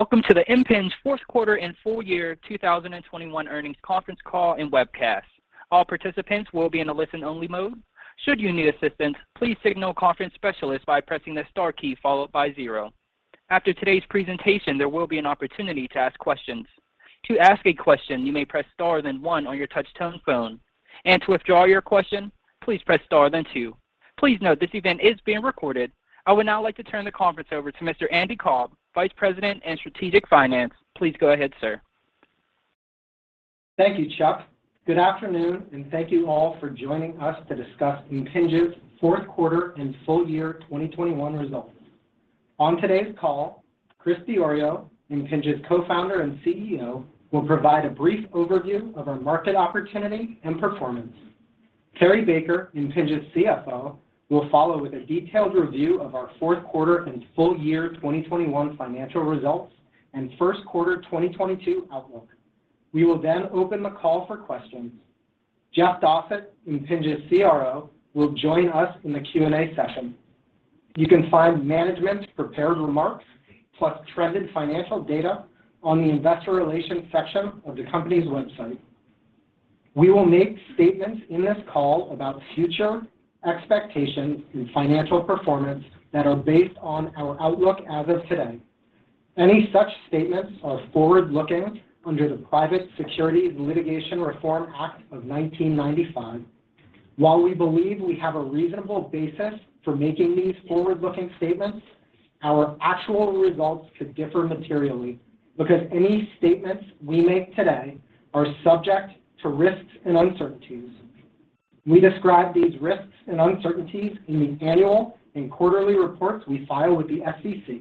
Welcome to the Impinj fourth 1/4 and full year 2021 earnings conference call and webcast. All participants will be in a Listen-Only Mode. Should you need assistance, please signal a conference specialist by pressing the star key followed by zero. After today's presentation, there will be an opportunity to ask questions. To ask a question, you may press star then one on your Touch-Tone phone, and to withdraw your question, please press star then two. Please note this event is being recorded. I would now like to turn the conference over to Mr. Andy Cobb, Vice President, Strategic Finance. Please go ahead, sir. Thank you, Chuck. Good afternoon, and thank you all for joining us to discuss Impinj's fourth 1/4 and full year 2021 results. On today's call, Chris Diorio, Impinj's Co-Founder and CEO, will provide a brief overview of our market opportunity and performance. Cary Baker, Impinj's CFO, will follow with a detailed review of our fourth 1/4 and full year 2021 financial results, and first 1/4 2022 outlook. We will then open the call for questions. Jeff Dossett, Impinj's CRO, will join us in the Q&A session. You can find management's prepared remarks plus trended financial data on the investor relations section of the company's website. We will make statements in this call about future expectations and financial performance that are based on our outlook as of today. Any such statements are Forward-Looking under the Private Securities Litigation Reform Act of 1995. While we believe we have a reasonable basis for making these Forward-Looking statements, our actual results could differ materially, because any statements we make today are subject to risks and uncertainties. We describe these risks and uncertainties in the annual and quarterly reports we file with the SEC.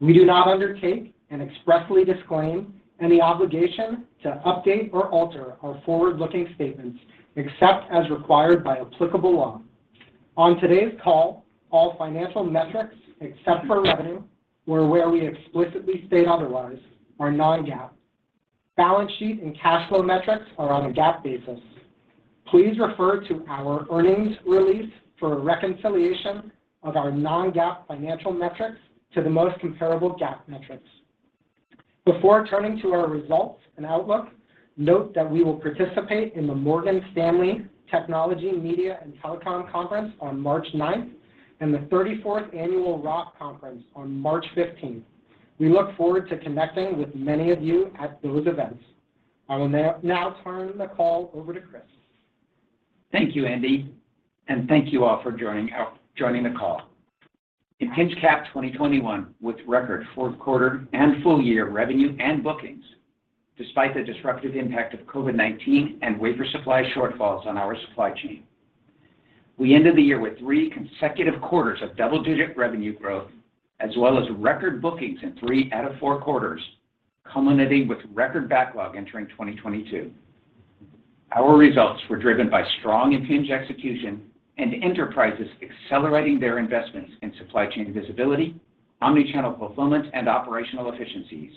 We do not undertake and expressly disclaim any obligation to update or alter our Forward-Looking statements except as required by applicable law. On today's call, all financial metrics, except for revenue, where we explicitly state otherwise, are Non-GAAP. Balance sheet and cash flow metrics are on a GAAP basis. Please refer to our earnings release for a reconciliation of our Non-GAAP financial metrics to the most comparable GAAP metrics. Before turning to our results and outlook, note that we will participate in the Morgan Stanley Technology, Media & Telecom Conference on March 9, and the 34th Annual ROTH Conference on March 15. We look forward to connecting with many of you at those events. I will now turn the call over to Chris. Thank you, Andy. Thank you all for joining the call. Impinj capped 2021 with record fourth 1/4 and full year revenue and bookings, despite the disruptive impact of COVID-19 and wafer supply shortfalls on our supply chain. We ended the year with 3 consecutive quarters of Double-Digit revenue growth, as well as record bookings in 3 out of 4 quarters, culminating with record backlog entering 2022. Our results were driven by strong Impinj execution and enterprises accelerating their investments in supply chain visibility, Omni-Channel fulfillment, and operational efficiencies.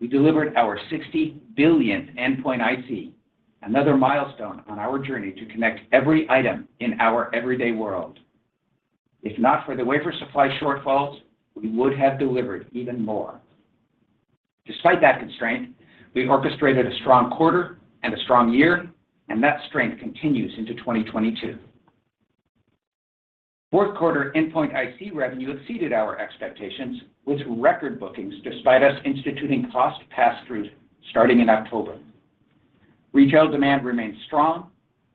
We delivered our 60 billionth endpoint IC, another milestone on our journey to connect every item in our everyday world. If not for the wafer supply shortfalls, we would have delivered even more. Despite that constraint, we orchestrated a strong 1/4 and a strong year, and that strength continues into 2022. Fourth 1/4 endpoint IC revenue exceeded our expectations with record bookings despite us instituting cost passthrough starting in October. Retail demand remained strong,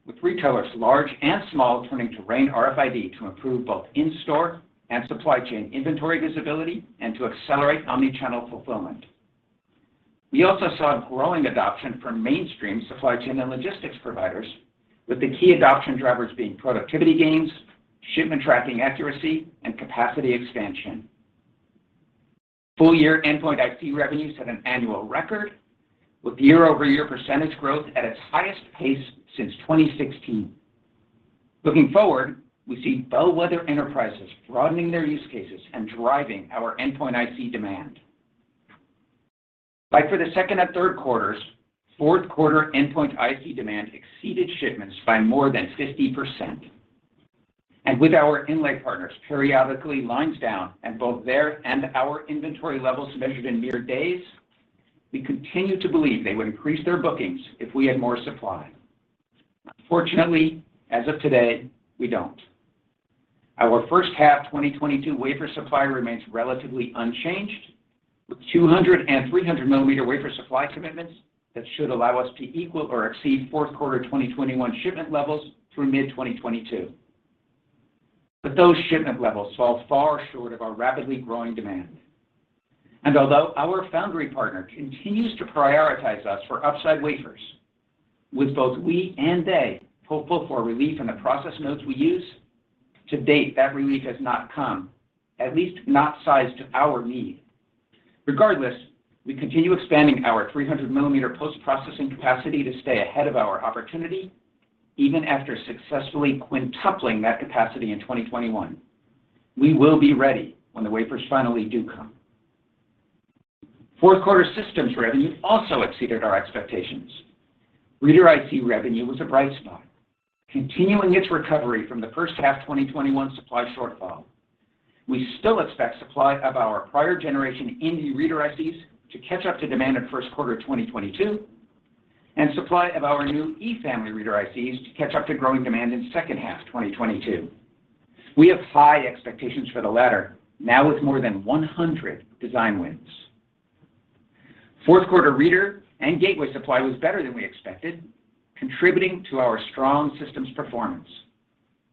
with retailers large and small turning to RAIN RFID to improve both in-store and supply chain inventory visibility and to accelerate Omni-Channel fulfillment. We also saw growing adoption from mainstream supply chain and logistics providers, with the key adoption drivers being productivity gains, shipment tracking accuracy, and capacity expansion. Full year endpoint IC revenues had an annual record, with Year-Over-Year percentage growth at its highest pace since 2016. Looking forward, we see bellwether enterprises broadening their use cases and driving our endpoint IC demand. Like for the second and 1/3 quarters, fourth 1/4 endpoint IC demand exceeded shipments by more than 50%. With our inlay partners periodically lines down and both their and our inventory levels measured in mere days, we continue to believe they would increase their bookings if we had more supply. Unfortunately, as of today, we don't. Our first 1/2 2022 wafer supply remains relatively unchanged, with 200- and 300-millimeter wafer supply commitments that should allow us to equal or exceed fourth 1/4 2021 shipment levels through mid-2022. Those shipment levels fall far short of our rapidly growing demand. Although our foundry partner continues to prioritize us for upside wafers, with both we and they hopeful for relief in the process nodes we use, to date, that relief has not come, at least not sized to our need. Regardless, we continue expanding our 300-millimeter post-processing capacity to stay ahead of our opportunity, even after successfully quintupling that capacity in 2021. We will be ready when the wafers finally do come. Fourth 1/4 systems revenue also exceeded our expectations. Reader IC revenue was a bright spot, continuing its recovery from the first 1/2 2021 supply shortfall. We still expect supply of our prior generation Indy reader ICs to catch up to demand in first 1/4 2022, and supply of our new E family reader ICs to catch up to growing demand in second 1/2 2022. We have high expectations for the latter, now with more than 100 design wins. Fourth 1/4 reader and gateway supply was better than we expected, contributing to our strong systems performance.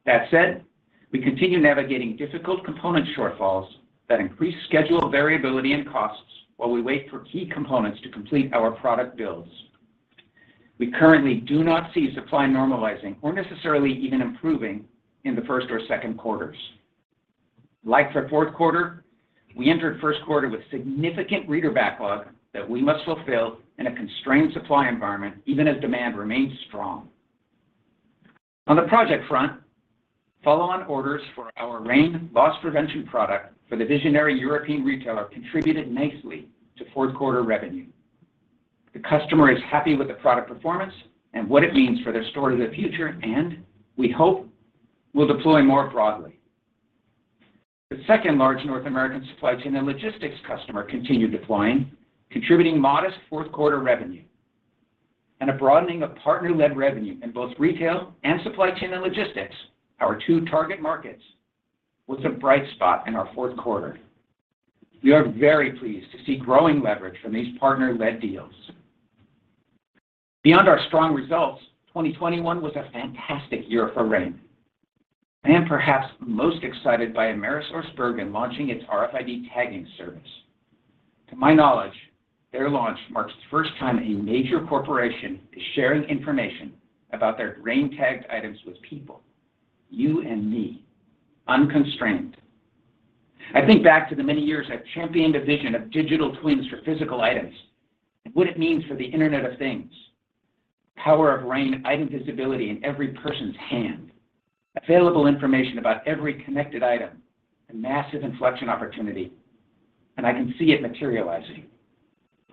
That said, we continue navigating difficult component shortfalls that increase schedule variability and costs while we wait for key components to complete our product builds. We currently do not see supply normalizing or necessarily even improving in the first or second quarters. Like for fourth 1/4, we entered first 1/4 with significant reader backlog that we must fulfill in a constrained supply environment, even as demand remains strong. On the project front, follow-on orders for our RAIN loss prevention product for the visionary European retailer contributed nicely to fourth 1/4 revenue. The customer is happy with the product performance and what it means for their store of the future, and we hope will deploy more broadly. The second large North American supply chain and logistics customer continued deploying, contributing modest fourth 1/4 revenue and a broadening of partner-led revenue in both retail and supply chain and logistics, our two target markets. That was a bright spot in our fourth 1/4. We are very pleased to see growing leverage from these partner-led deals. Beyond our strong results, 2021 was a fantastic year for RAIN. I am perhaps most excited by AmerisourceBergen launching its RFID tagging service. To my knowledge, their launch marks the first time a major corporation is sharing information about their RAIN-tagged items with people, you and me, unconstrained. I think back to the many years I've championed a vision of digital twins for physical items and what it means for the Internet of Things, power of RAIN item visibility in every person's hand, available information about every connected item, a massive inflection opportunity, and I can see it materializing.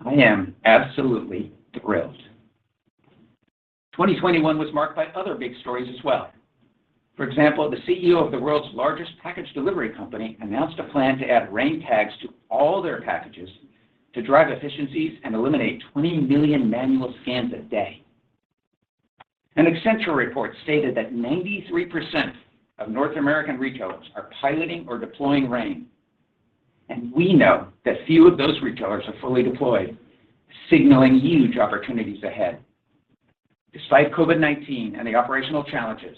I am absolutely thrilled. 2021 was marked by other big stories as well. For example, the CEO of the world's largest package delivery company announced a plan to add RAIN tags to all their packages to drive efficiencies and eliminate 20 million manual scans a day. An Accenture report stated that 93% of North American retailers are piloting or deploying RAIN, and we know that few of those retailers are fully deployed, signaling huge opportunities ahead. Despite COVID-19 and the operational challenges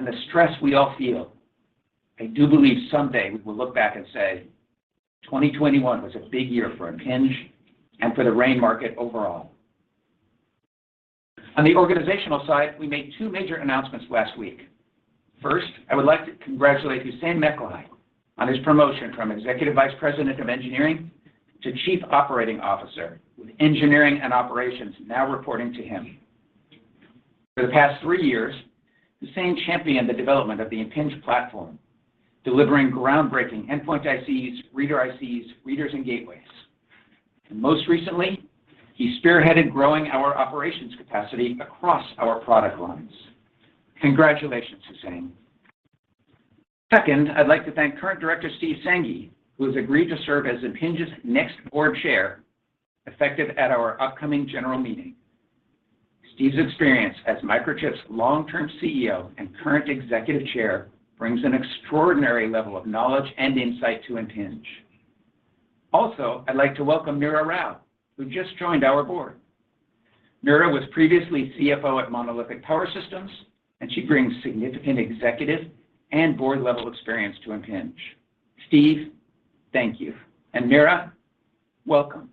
and the stress we all feel, I do believe someday we will look back and say 2021 was a big year for Impinj and for the RAIN market overall. On the organizational side, we made two major announcements last week. First, I would like to congratulate Hussein Mecklai on his promotion from Executive Vice President of Engineering to Chief Operating Officer, with engineering and operations now reporting to him. For the past three years, Hussein championed the development of the Impinj platform, delivering groundbreaking endpoint ICs, reader ICs, readers, and gateways. Most recently, he spearheaded growing our operations capacity across our product lines. Congratulations, Hussein. Second, I'd like to thank current Director, Steve Sanghi, who has agreed to serve as Impinj's next Board Chair, effective at our upcoming general meeting. Steve's experience as Microchip's Long-Term CEO and current executive chair brings an extraordinary level of knowledge and insight to Impinj. Also, I'd like to welcome Neera Rao, who just joined our board. Neera was previously CFO at Monolithic Power Systems, and she brings significant executive and board-level experience to Impinj. Steve, thank you. Neera, welcome.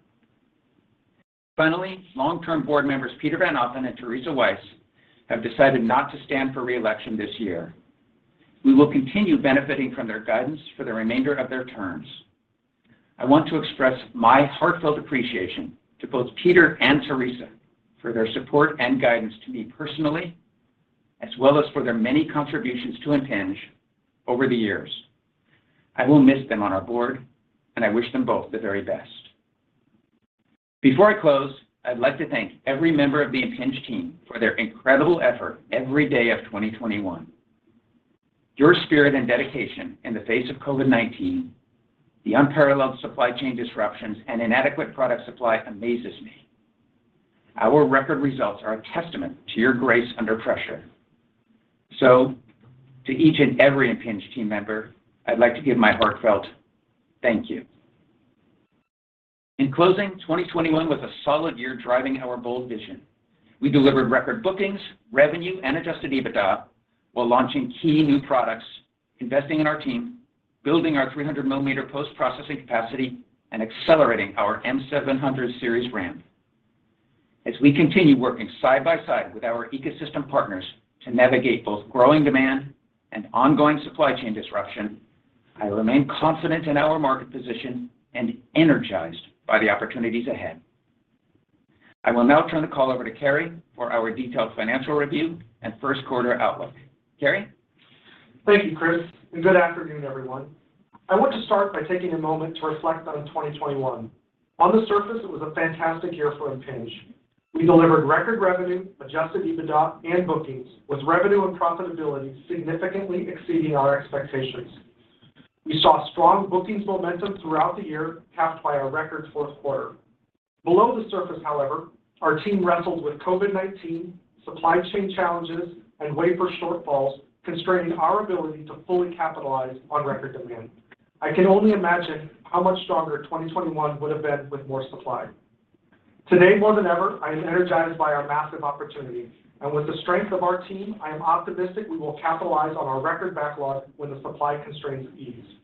Finally, Long-Term board members, Peter van Oppen and Theresa Wise, have decided not to stand for reelection this year. We will continue benefiting from their guidance for the remainder of their terms. I want to express my heartfelt appreciation to both Peter and Theresa for their support and guidance to me personally, as well as for their many contributions to Impinj over the years. I will miss them on our board, and I wish them both the very best. Before I close, I'd like to thank every member of the Impinj team for their incredible effort every day of 2021. Your spirit and dedication in the face of COVID-19, the unparalleled supply chain disruptions, and inadequate product supply amazes me. Our record results are a testament to your grace under pressure. To each and every Impinj team member, I'd like to give my heartfelt thank you. In closing 2021 with a solid year driving our bold vision, we delivered record bookings, revenue, and adjusted EBITDA while launching key new products, investing in our team, building our 300-mm post-processing capacity, and accelerating our M700 series ramp. As we continue working side by side with our ecosystem partners to navigate both growing demand and ongoing supply chain disruption, I remain confident in our market position and energized by the opportunities ahead. I will now turn the call over to Cary for our detailed financial review and first 1/4 outlook. Cary? Thank you, Chris, and good afternoon, everyone. I want to start by taking a moment to reflect on 2021. On the surface, it was a fantastic year for Impinj. We delivered record revenue, adjusted EBITDA and bookings, with revenue and profitability significantly exceeding our expectations. We saw strong bookings momentum throughout the year, capped by a record fourth 1/4. Below the surface, however, our team wrestled with COVID-19, supply chain challenges, and wafer shortfalls, constraining our ability to fully capitalize on record demand. I can only imagine how much stronger 2021 would have been with more supply. Today more than ever, I am energized by our massive opportunity, and with the strength of our team, I am optimistic we will capitalize on our record backlog when the supply constraints ease.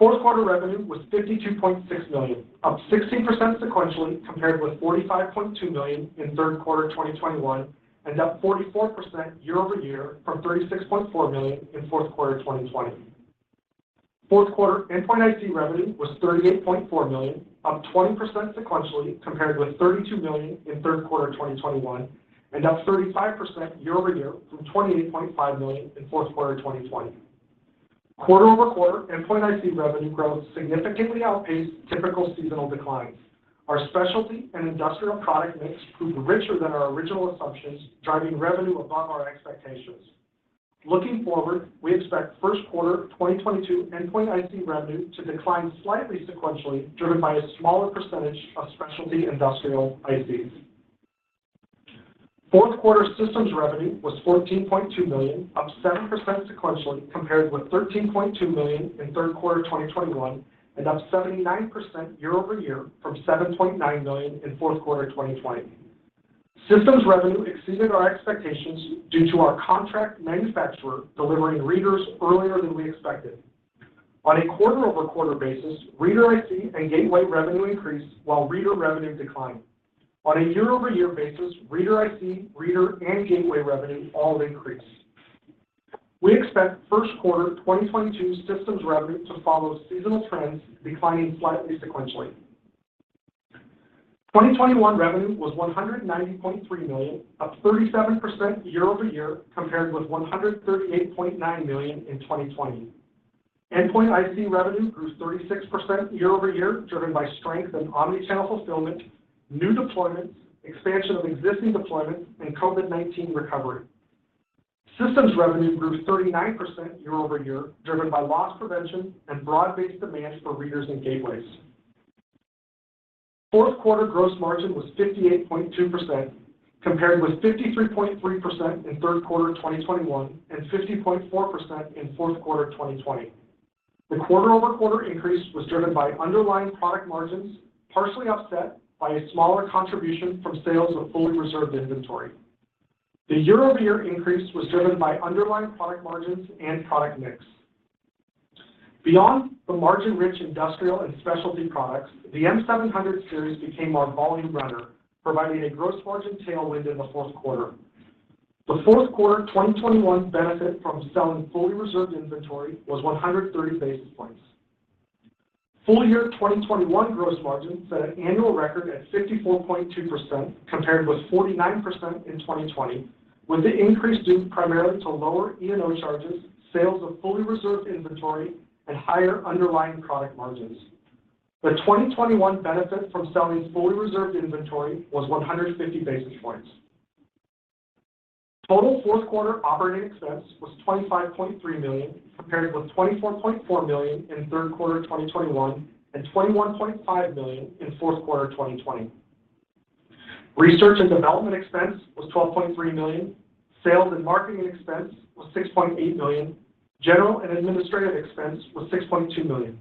Fourth 1/4 revenue was $52.6 million, up 16% sequentially compared with $45.2 million in 1/3 1/4 2021, and up 44% year over year from $36.4 million in fourth 1/4 2020. Fourth 1/4 Endpoint IC revenue was $38.4 million, up 20% sequentially compared with $32 million in 1/3 1/4 2021, and up 35% year over year from $28.5 million in fourth 1/4 2020. Quarter-over-1/4, Endpoint IC revenue growth significantly outpaced typical seasonal declines. Our specialty and industrial product mix proved richer than our original assumptions, driving revenue above our expectations. Looking forward, we expect first 1/4 2022 Endpoint IC revenue to decline slightly sequentially, driven by a smaller percentage of specialty industrial ICs. Q4 systems revenue was $14.2 million, up 7% sequentially compared with $13.2 million in Q3 2021, and up 79% Year-Over-Year from $7.9 million in Q4 2020. Systems revenue exceeded our expectations due to our contract manufacturer delivering readers earlier than we expected. On a quarter-over-quarter basis, reader IC and gateway revenue increased while reader revenue declined. On a Year-Over-Year basis, reader IC, reader, and gateway revenue all increased. We expect Q1 2022 systems revenue to follow seasonal trends, declining slightly sequentially. 2021 revenue was $190.3 million, up 37% Year-Over-Year compared with $138.9 million in 2020. Endpoint IC revenue grew 36% Year-Over-Year, driven by strength in Omni-Channel fulfillment, new deployments, expansion of existing deployments, and COVID-19 recovery. Systems revenue grew 39% Year-Over-Year, driven by loss prevention and Broad-Based demand for readers and gateways. Fourth 1/4 gross margin was 58.2%, compared with 53.3% in 1/3 1/4 2021 and 50.4% in fourth 1/4 2020. The 1/4-over-1/4 increase was driven by underlying product margins, partially offset by a smaller contribution from sales of fully reserved inventory. The Year-Over-Year increase was driven by underlying product margins and product mix. Beyond the Margin-Rich industrial and specialty products, the M700 series became our volume runner, providing a gross margin tailwind in the fourth 1/4. The fourth 1/4 2021 benefit from selling fully reserved inventory was 130 basis points. Full year 2021 gross margin set an annual record at 54.2%, compared with 49% in 2020, with the increase due primarily to lower E&O charges, sales of fully reserved inventory, and higher underlying product margins. The 2021 benefit from selling fully reserved inventory was 150 basis points. Total fourth 1/4 operating expense was $25.3 million, compared with $24.4 million in 1/3 1/4 2021 and $21.5 million in fourth 1/4 2020. Research and development expense was $12.3 million. Sales and marketing expense was $6.8 million. General and administrative expense was $6.2 million.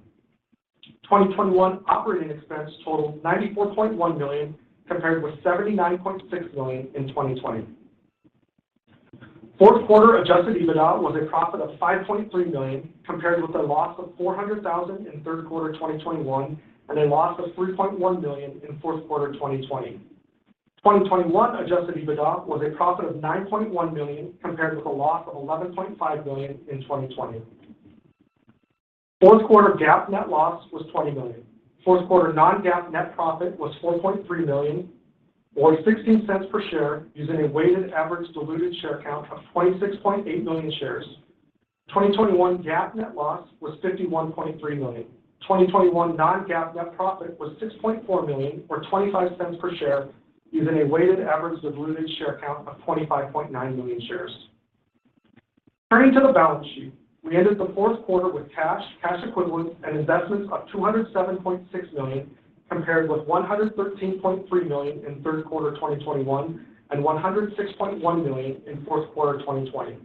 2021 operating expense totaled $94.1 million, compared with $79.6 million in 2020. Fourth 1/4 adjusted EBITDA was a profit of $5.3 million, compared with a loss of $400,000 in 1/3 1/4 2021 and a loss of $3.1 million in fourth 1/4 2020. 2021 adjusted EBITDA was a profit of $9.1 million, compared with a loss of $11.5 million in 2020. Fourth 1/4 GAAP net loss was $20 million. Fourth 1/4 Non-GAAP net profit was $4.3 million, or $0.16 per share, using a weighted average diluted share count of 26.8 million shares. 2021 GAAP net loss was $51.3 million. 2021 Non-GAAP net profit was $6.4 million, or $0.25 per share, using a weighted average diluted share count of 25.9 million shares. Turning to the balance sheet, we ended the fourth 1/4 with cash equivalents, and investments of $207.6 million, compared with $113.3 million in 1/3 1/4 2021 and $106.1 million in fourth 1/4 2020.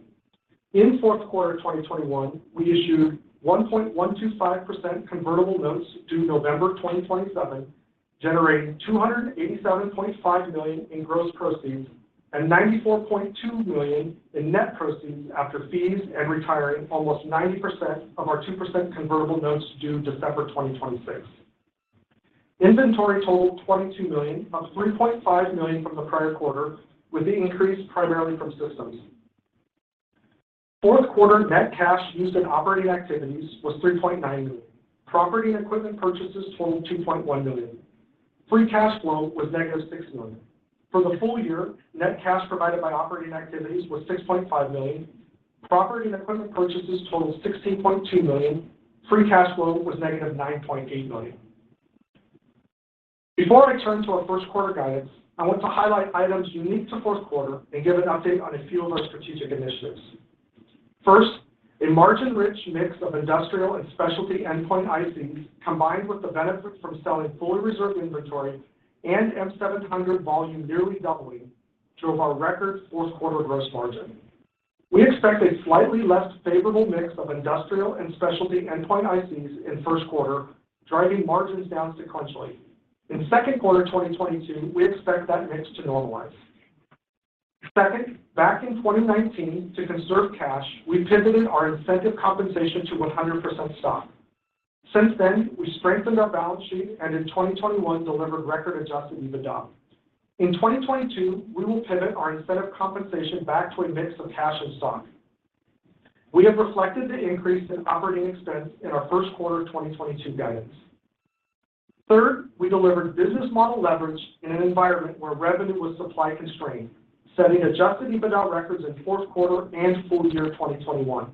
In fourth 1/4 2021, we issued 1.125% convertible notes due November 2027, generating $287.5 million in gross proceeds and $94.2 million in net proceeds after fees and retiring almost 90% of our 2% convertible notes due December 2026. Inventory totaled $22 million, up $3.5 million from the prior 1/4, with the increase primarily from systems. Fourth 1/4 net cash used in operating activities was $3.9 million. Property and equipment purchases totaled $2.1 million. Free cash flow was -$6 million. For the full year, net cash provided by operating activities was $6.5 million. Property and equipment purchases totaled $16.2 million. Free cash flow was -$9.8 million. Before I turn to our first 1/4 guidance, I want to highlight items unique to fourth 1/4 and give an update on a few of our strategic initiatives. First, a Margin-Rich mix of industrial and specialty endpoint ICs, combined with the benefit from selling fully reserved inventory and M700 volume nearly doubling, drove our record fourth 1/4 gross margin. We expect a slightly less favorable mix of industrial and specialty endpoint ICs in first 1/4, driving margins down sequentially. In second 1/4 2022, we expect that mix to normalize. Second, back in 2019, to conserve cash, we pivoted our incentive compensation to 100% stock. Since then, we strengthened our balance sheet and in 2021 delivered record adjusted EBITDA. In 2022, we will pivot our incentive compensation back to a mix of cash and stock. We have reflected the increase in operating expense in our first 1/4 of 2022 guidance. Third, we delivered business model leverage in an environment where revenue was supply constrained, setting adjusted EBITDA records in fourth 1/4 and full year 2021.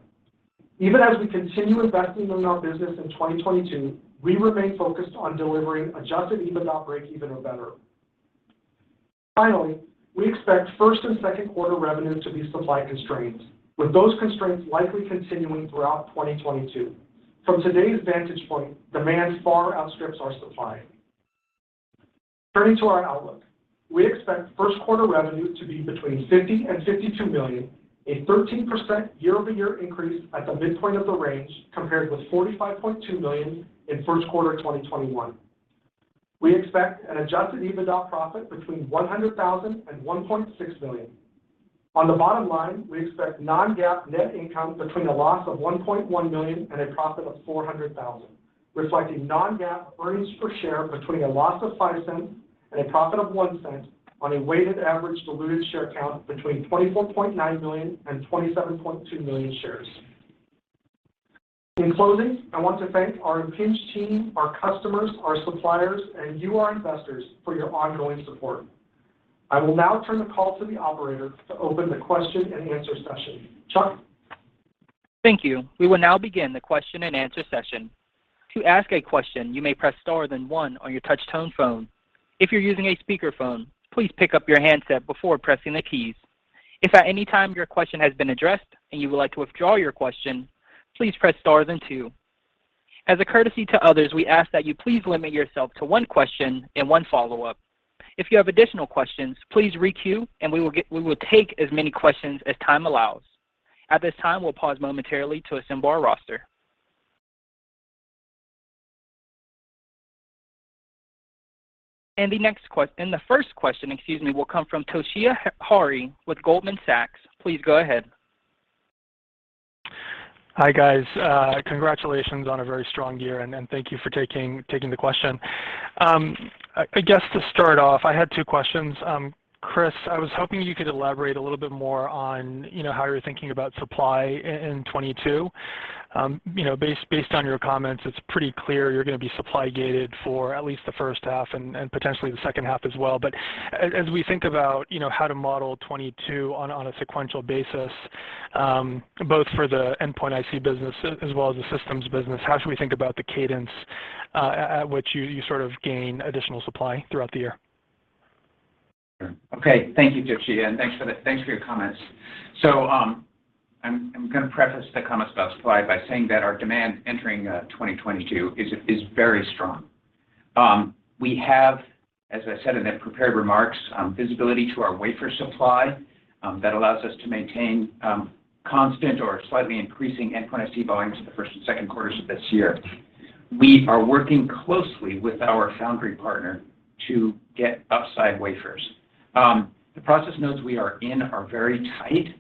Even as we continue investing in our business in 2022, we remain focused on delivering adjusted EBITDA breakeven or better. Finally, we expect first and second 1/4 revenues to be supply constrained, with those constraints likely continuing throughout 2022. From today's vantage point, demand far outstrips our supply. Turning to our outlook. We expect first 1/4 revenue to be between $50 million and $52 million, a 13% Year-Over-Year increase at the midpoint of the range compared with $45.2 million in first 1/4 2021. We expect an adjusted EBITDA profit between $100,000 and $1.6 million. On the bottom line, we expect Non-GAAP net income between a loss of $1.1 million and a profit of $400,000, reflecting Non-GAAP earnings per share between a loss of $0.05 and a profit of $0.01 on a weighted average diluted share count between 24.9 million and 27.2 million shares. In closing, I want to thank our Impinj team, our customers, our suppliers, and you, our investors, for your ongoing support. I will now turn the call to the operator to open the question and answer session. Chuck? Thank you. We will now begin the question and answer session. To ask a question, you may press star then one on your Touch-Tone phone. If you're using a speakerphone, please pick up your handset before pressing the keys. If at any time your question has been addressed and you would like to withdraw your question, please press star then two. As a courtesy to others, we ask that you please limit yourself to one question and one Follow-Up. If you have additional questions, please Re-Queue, and we will take as many questions as time allows. At this time, we'll pause momentarily to assemble our roster. The first question, excuse me, will come from Toshiya Hari with Goldman Sachs. Please go ahead. Hi, guys. Congratulations on a very strong year, and thank you for taking the question. I guess to start off, I had two questions. Chris, I was hoping you could elaborate a little bit more on, you know, how you're thinking about supply in 2022. You know, based on your comments, it's pretty clear you're gonna be supply gated for at least the first 1/2 and potentially the second 1/2 as well. As we think about, you know, how to model 2022 on a sequential basis, both for the endpoint IC business as well as the systems business, how should we think about the cadence at which you sort of gain additional supply throughout the year? Okay. Thank you, Toshiya, and thanks for your comments. I'm gonna preface the comments about supply by saying that our demand entering 2022 is very strong. We have, as I said in the prepared remarks, visibility to our wafer supply that allows us to maintain constant or slightly increasing endpoint IC volumes in the first and second quarters of this year. We are working closely with our foundry partner to get upside wafers. The process nodes we are in are very tight.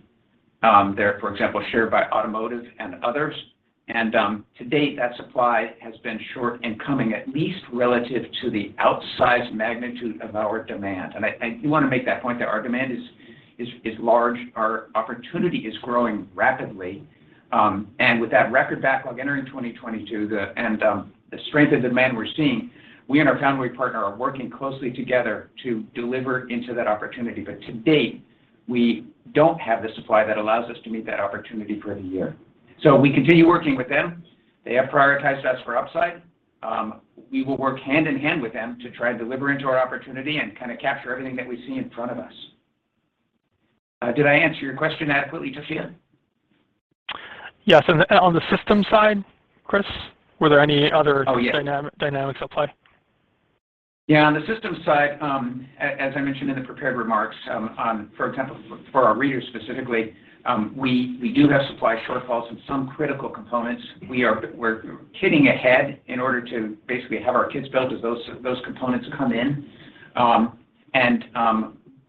They're, for example, shared by automotive and others, and to date, that supply has been short and coming at least relative to the outsized magnitude of our demand. I do wanna make that point that our demand is large, our opportunity is growing rapidly, and with that record backlog entering 2022, the strength of demand we're seeing, we and our foundry partner are working closely together to deliver into that opportunity. To date, we don't have the supply that allows us to meet that opportunity for the year. We continue working with them. They have prioritized us for upside. We will work hand in hand with them to try to deliver into our opportunity and kind of capture everything that we see in front of us. Did I answer your question adequately, Toshiya? Yes, on the systems side, Chris, were there any other Oh, yes.... dynamics at play? Yeah. On the systems side, as I mentioned in the prepared remarks, for example, for our readers specifically, we do have supply shortfalls in some critical components. We're kitting ahead in order to basically have our kits built as those components come in.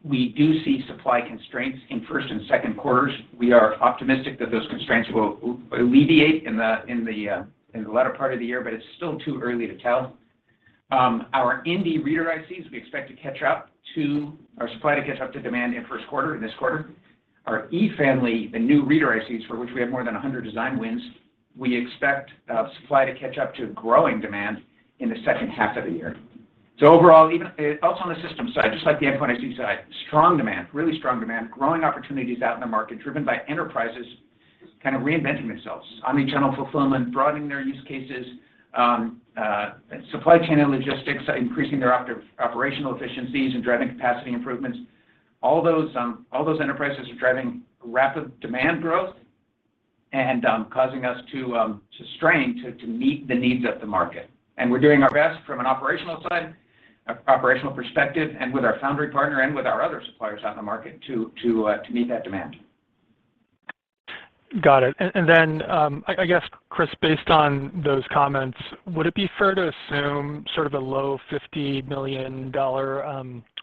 We do see supply constraints in first and second quarters. We are optimistic that those constraints will alleviate in the latter part of the year, but it's still too early to tell. Our Indy reader ICs, we expect our supply to catch up to demand in first 1/4, in this 1/4. Our E family, the new reader ICs for which we have more than 100 design wins, we expect supply to catch up to growing demand in the second 1/2 of the year. Overall, even also on the system side, just like the endpoint IC side, strong demand, really strong demand, growing opportunities out in the market, driven by enterprises kind of reinventing themselves. Omnichannel fulfillment, broadening their use cases, supply chain and logistics are increasing their operational efficiencies and driving capacity improvements. All those enterprises are driving rapid demand growth and causing us to strain to meet the needs of the market. We're doing our best from an operational side, an operational perspective, and with our foundry partner and with our other suppliers out in the market to meet that demand. Got it. Then I guess, Chris, based on those comments, would it be fair to assume sort of a low $50 million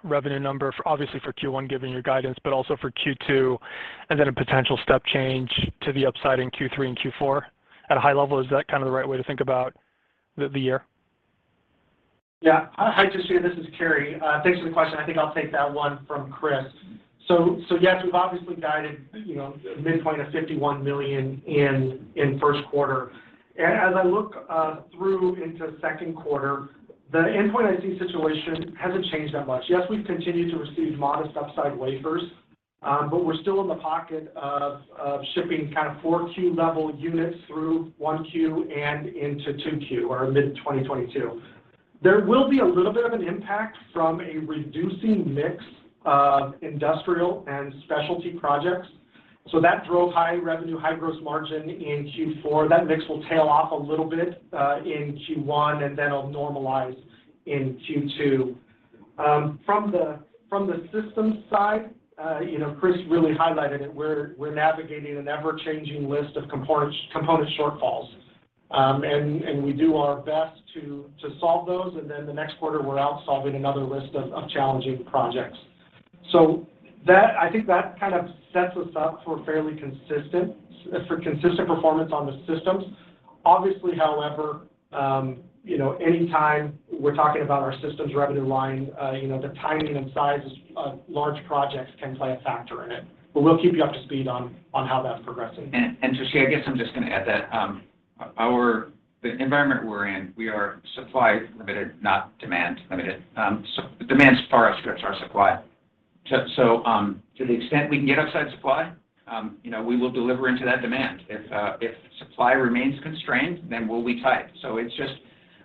revenue number for obviously for Q1, given your guidance, but also for Q2, and then a potential step change to the upside in Q3 and Q4? At a high level, is that kind of the right way to think about the year? Yeah. Hi, Toshiya This is Cary. Thanks for the question. I think I'll take that one from Chris. Yes, we've obviously guided, you know, a midpoint of $51 million in Q1. As I look through into Q2, the endpoint IC situation hasn't changed that much. Yes, we've continued to receive modest upside wafers, but we're still in the pocket of shipping kind of 4Q level units through Q1 and into Q2, or mid-2022. There will be a little bit of an impact from a reducing mix of industrial and specialty projects. That drove high revenue, high gross margin in Q4. That mix will tail off a little bit in Q1, and then it'll normalize in Q2. From the systems side, you know, Chris really highlighted it. We're navigating an ever-changing list of components, component shortfalls. We do our best to solve those, and then the next 1/4, we're out solving another list of challenging projects. I think that kind of sets us up for fairly consistent performance on the systems. Obviously, however, you know, any time we're talking about our systems revenue line, you know, the timing and sizes of large projects can play a factor in it, but we'll keep you up to speed on how that's progressing. Tushar, I guess I'm just gonna add that, the environment we're in, we are supply limited, not demand limited. So demand far outstrips our supply. To the extent we can get outside supply, you know, we will deliver into that demand. If supply remains constrained, then we'll be tight. It's just.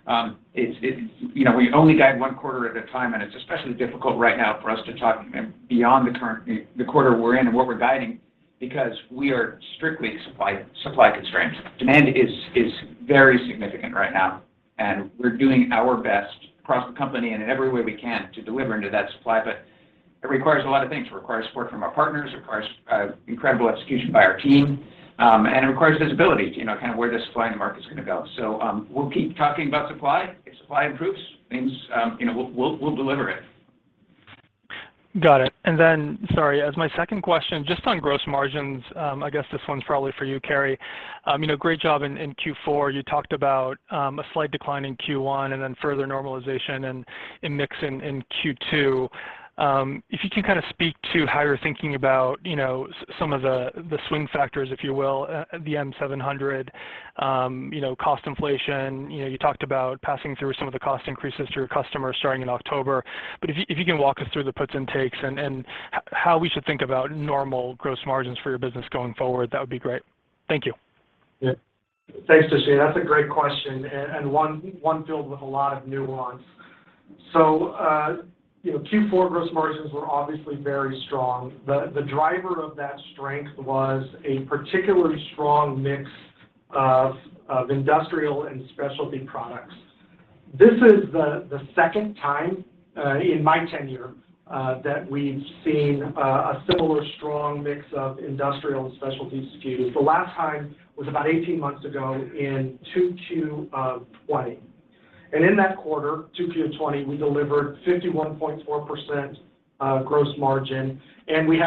You know, we only guide one 1/4 at a time, and it's especially difficult right now for us to talk beyond the current 1/4 we're in and what we're guiding because we are strictly supply constrained. Demand is very significant right now, and we're doing our best across the company and in every way we can to deliver into that supply. But it requires a lot of things. It requires support from our partners, incredible execution by our team, and it requires visibility to, you know, kind of where the supply in the market's gonna go. We'll keep talking about supply. If supply improves, things, you know, we'll deliver it. Got it. Sorry, as my second question, just on gross margins, I guess this one's probably for you, Cary. You know, great job in Q4. You talked about a slight decline in Q1 and then further normalization and mix in Q2. If you can kind of speak to how you're thinking about, you know, some of the swing factors, if you will, the M700, you know, cost inflation. You know, you talked about passing through some of the cost increases to your customers starting in October. If you can walk us through the puts and takes and how we should think about normal gross margins for your business going forward, that would be great. Thank you. Thanks, Toshiya. That's a great question and one filled with a lot of nuance. You know, Q4 gross margins were obviously very strong. The driver of that strength was a particularly strong mix of industrial and specialty products. This is the second time in my tenure that we've seen a similar strong mix of industrial and specialty SKUs. The last time was about 18 months ago in Q2 of 2020. In that 1/4, Q2 of 2020, we delivered 51.4% gross margin, and we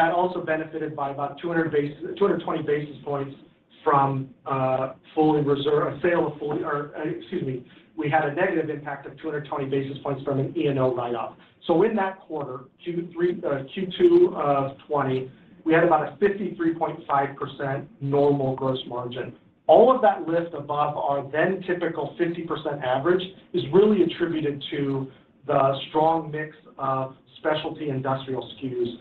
had a negative impact of 220 basis points from an E&O Write-Off. In that 1/4, Q2 of 2020, we had about a 53.5% normal gross margin. All of that lift above our then typical 50% average is really attributed to the strong mix of specialty industrial SKUs.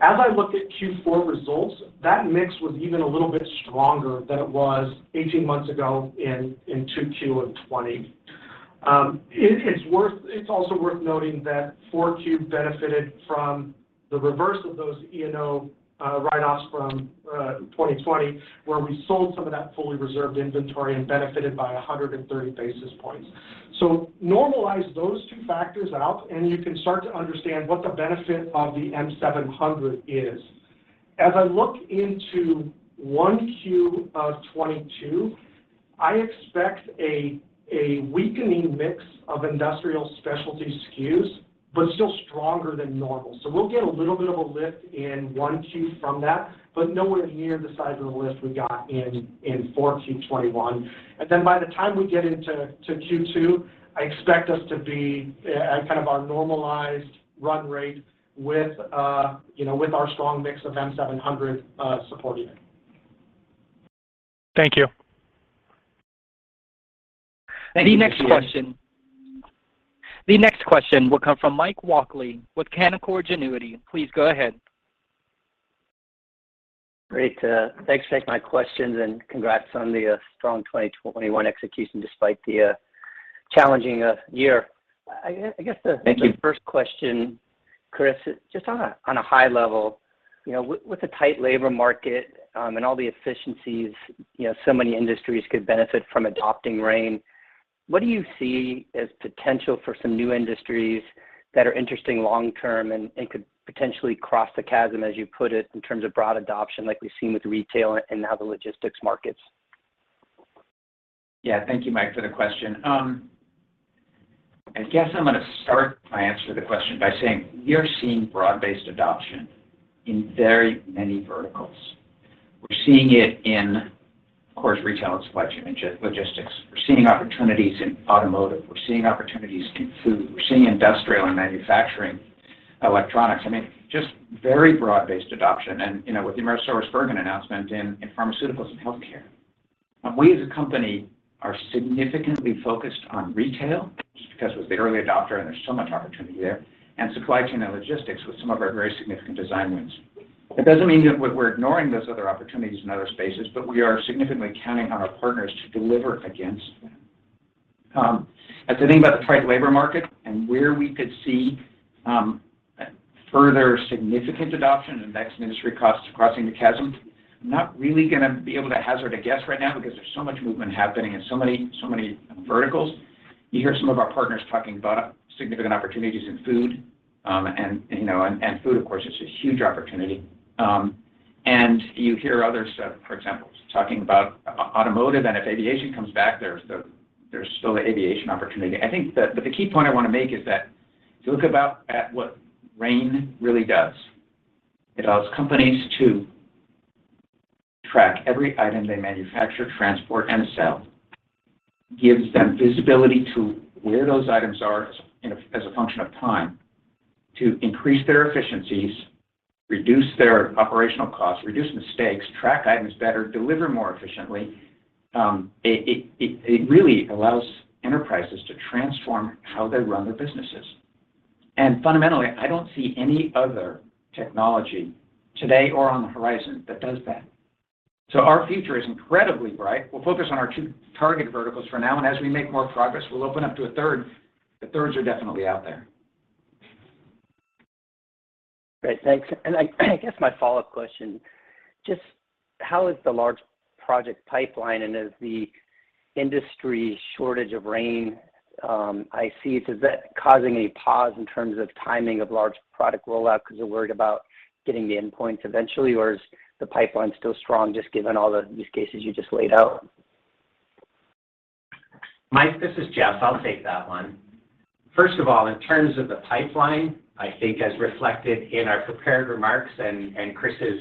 As I look at Q4 results, that mix was even a little bit stronger than it was 18 months ago in 2Q of 2020. It's also worth noting that 4Q benefited from the reverse of those E&O Write-Offs from 2020, where we sold some of that fully reserved inventory and benefited by 130 basis points. Normalize those two factors out, and you can start to understand what the benefit of the M700 is. As I look into 1Q of 2022, I expect a weakening mix of industrial specialty SKUs, but still stronger than normal. We'll get a little bit of a lift in 1Q from that, but nowhere near the size of the lift we got in 4Q 2021. By the time we get into Q2, I expect us to be at kind of our normalized run rate with our strong mix of M700 supporting it. Thank you. The next question will come from Mike Walkley with Canaccord Genuity. Please go ahead. Great. Thanks for taking my questions, and congrats on the strong 2021 execution despite the challenging year. I guess, the- Thank you.... the first question, Chris, is just on a high level, you know, with the tight labor market and all the efficiencies, you know, so many industries could benefit from adopting RAIN. What do you see as potential for some new industries that are interesting Long-Term and could potentially cross the chasm, as you put it, in terms of broad adoption like we've seen with retail and now the logistics markets? Yeah. Thank you, Mike, for the question. I guess I'm gonna start my answer to the question by saying we are seeing Broad-Based adoption in very many verticals. We're seeing it in, of course, retail and supply chain logistics. We're seeing opportunities in automotive. We're seeing opportunities in food. We're seeing industrial and manufacturing, electronics. I mean, just very Broad-Based adoption and, you know, with the AmerisourceBergen announcement in pharmaceuticals and healthcare. We as a company are significantly focused on retail just because it was the early adopter and there's so much opportunity there, and supply chain and logistics with some of our very significant design wins. That doesn't mean that we're ignoring those other opportunities in other spaces, but we are significantly counting on our partners to deliver against them. As I think about the tight labor market and where we could see further significant adoption and next industry crossing the chasm, I'm not really gonna be able to hazard a guess right now because there's so much movement happening in so many verticals. You hear some of our partners talking about significant opportunities in food, and, you know, food, of course, is a huge opportunity. And you hear others, for example, talking about automotive and if aviation comes back, there's still the aviation opportunity. I think the The key point I wanna make is that if you look at what RAIN really does, it allows companies to track every item they manufacture, transport, and sell, gives them visibility to where those items are as, you know, as a function of time to increase their efficiencies, reduce their operational costs, reduce mistakes, track items better, deliver more efficiently. It really allows enterprises to transform how they run their businesses. Fundamentally, I don't see any other technology today or on the horizon that does that. Our future is incredibly bright. We'll focus on our two target verticals for now, and as we make more progress, we'll open up to a 1/3. The 1/3s are definitely out there. Great. Thanks. I guess my Follow-Up question, just how is the large project pipeline and is the industry shortage of RAIN, I see, is that causing a pause in terms of timing of large product rollout because they're worried about getting the endpoints eventually, or is the pipeline still strong just given all the use cases you just laid out? Mike, this is Jeff. I'll take that one. First of all, in terms of the pipeline, I think as reflected in our prepared remarks and Chris's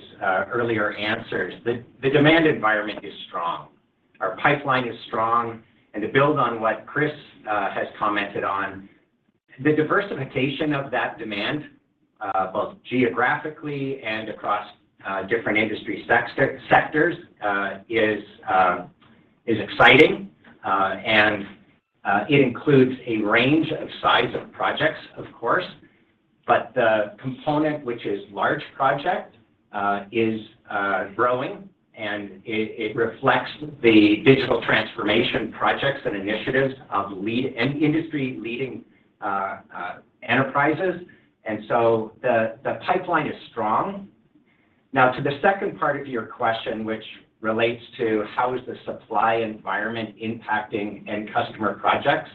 earlier answers, the demand environment is strong. Our pipeline is strong. To build on what Chris has commented on, the diversification of that demand both geographically and across different industry sectors is exciting. It includes a range of size of projects, of course. But the component which is large project is growing, and it reflects the digital transformation projects and initiatives of leading industry-leading enterprises. The pipeline is strong. Now to the second part of your question, which relates to how is the supply environment impacting end customer projects,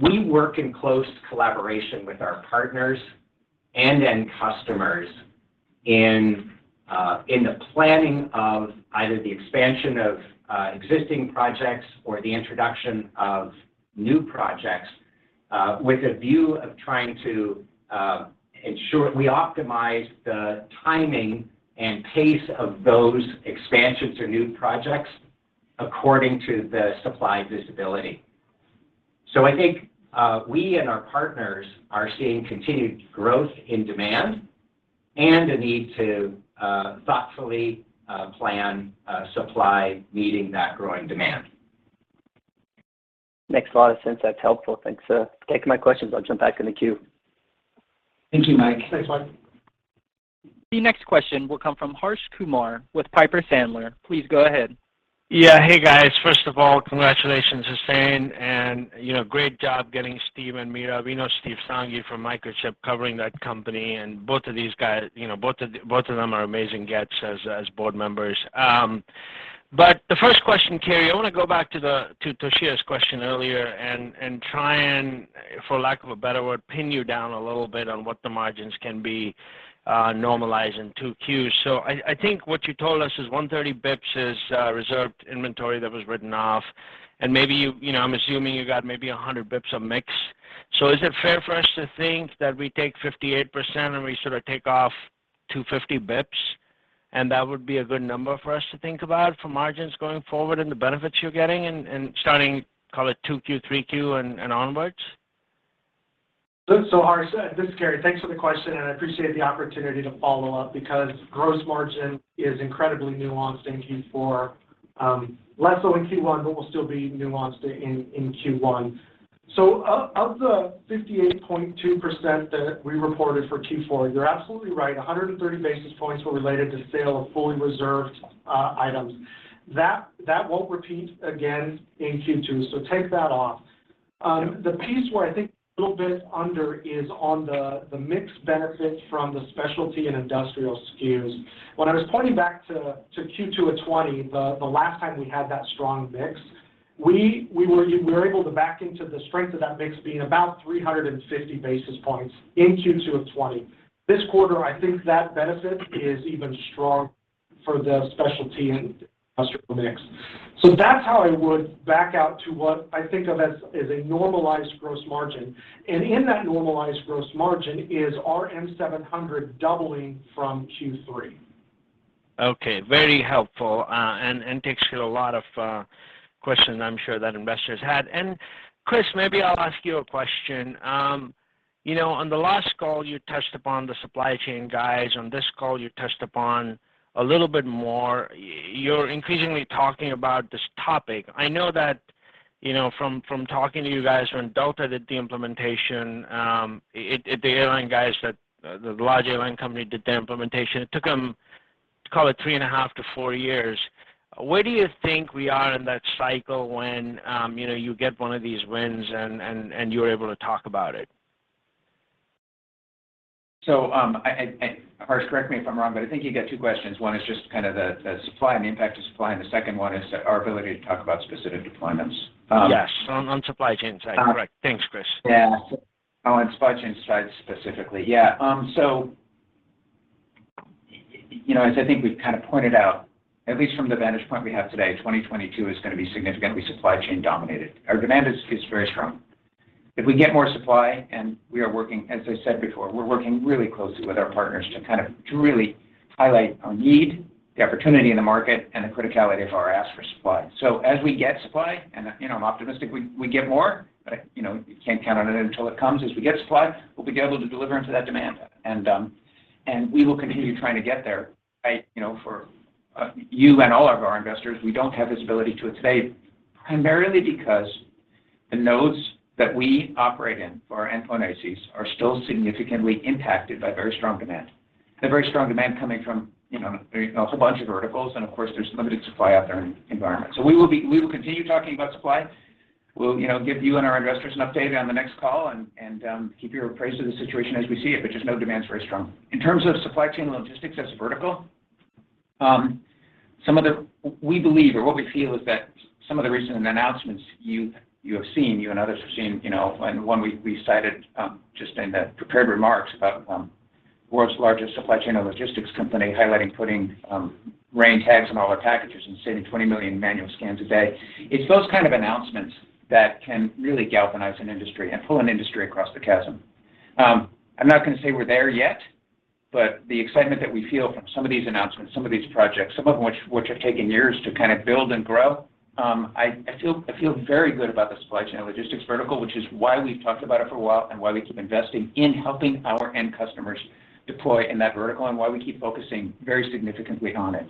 we work in close collaboration with our partners and end customers in the planning of either the expansion of existing projects or the introduction of new projects, with a view of trying to ensure we optimize the timing and pace of those expansions or new projects according to the supply visibility. I think we and our partners are seeing continued growth in demand and a need to thoughtfully plan supply meeting that growing demand. Makes a lot of sense. That's helpful. Thanks, for taking my questions. I'll jump back in the queue. Thank you, Mike. Thanks, Mike. The next question will come from Harsh Kumar with Piper Sandler. Please go ahead. Yeah. Hey, guys. First of all, congratulations, Hussein, and, you know, great job getting Steve and Neera. We know Steve Sanghi from Microchip covering that company, and both of these guys, you know, both of them are amazing gets as board members. The first question, Cary, I wanna go back to Toshiya's question earlier and try and, for lack of a better word, pin you down a little bit on what the margins can be normalized in two Qs. So I think what you told us is 130 basis points is reserved inventory that was written off, and maybe, you know, I'm assuming you got maybe 100 basis points of mix. Is it fair for us to think that we take 58% and we sort of take off 250 basis points, and that would be a good number for us to think about for margins going forward and the benefits you're getting in starting, call it 2Q, 3Q, and onwards? Harsh, this is Cary. Thanks for the question, and I appreciate the opportunity to follow up because gross margin is incredibly nuanced in Q4. Less so in Q1, but will still be nuanced in Q1. Of the 58.2% that we reported for Q4, you're absolutely right, 130 basis points were related to sale of fully reserved items. That won't repeat again in Q2, so take that off. The piece where I think a little bit under is on the mix benefit from the specialty and industrial SKUs. When I was pointing back to Q2 of 2020, the last time we had that strong mix, we were able to back into the strength of that mix being about 350 basis points in Q2 of 2020. This 1/4, I think that benefit is even strong for the specialty and industrial mix. That's how I would back out to what I think of as a normalized gross margin. In that normalized gross margin is our M700 doubling from Q3. Okay. Very helpful and takes care of a lot of questions I'm sure that investors had. Chris, maybe I'll ask you a question. You know, on the last call, you touched upon the supply chain guys. On this call, you touched upon a little bit more. You're increasingly talking about this topic. I know that, you know, from talking to you guys when Delta did the implementation. The large airline company did their implementation, it took them, call it 3.5-4 years. Where do you think we are in that cycle when, you know, you get one of these wins and you're able to talk about it? Harsh, correct me if I'm wrong, but I think you got two questions. One is just kind of the supply and the impact of supply. The second one is our ability to talk about specific deployments. Yes. On supply chain side. You're right. Thanks, Chris. On supply chain side specifically. You know, as I think we've kind of pointed out, at least from the vantage point we have today, 2022 is gonna be significantly supply chain dominated. Our demand is very strong. If we get more supply, and we are working, as I said before, we're working really closely with our partners to kind of to really highlight our need, the opportunity in the market, and the criticality of our ask for supply. As we get supply, you know, I'm optimistic we get more, but you know, you can't count on it until it comes. As we get supply, we'll be able to deliver into that demand. We will continue trying to get there. You know, for you and all of our investors, we don't have visibility to it today, primarily because the nodes that we operate in for our endpoint ICs are still significantly impacted by very strong demand, and very strong demand coming from, you know, a whole bunch of verticals, and of course, there's limited supply out there in environment. We will continue talking about supply. We'll, you know, give you and our investors an update on the next call and keep you appraised to the situation as we see it, but just know demand's very strong. In terms of supply chain logistics as a vertical, some of the We believe or what we feel is that some of the recent announcements you have seen, you and others have seen, you know, and one we cited just in the prepared remarks about world's largest supply chain and logistics company highlighting putting RAIN tags on all their packages and saving 20 million manual scans a day. It's those kind of announcements that can really galvanize an industry and pull an industry across the chasm. I'm not gonna say we're there yet, but the excitement that we feel from some of these announcements, some of these projects, some of which have taken years to kind of build and grow, I feel very good about the supply chain and logistics vertical, which is why we've talked about it for a while and why we keep investing in helping our end customers deploy in that vertical and why we keep focusing very significantly on it.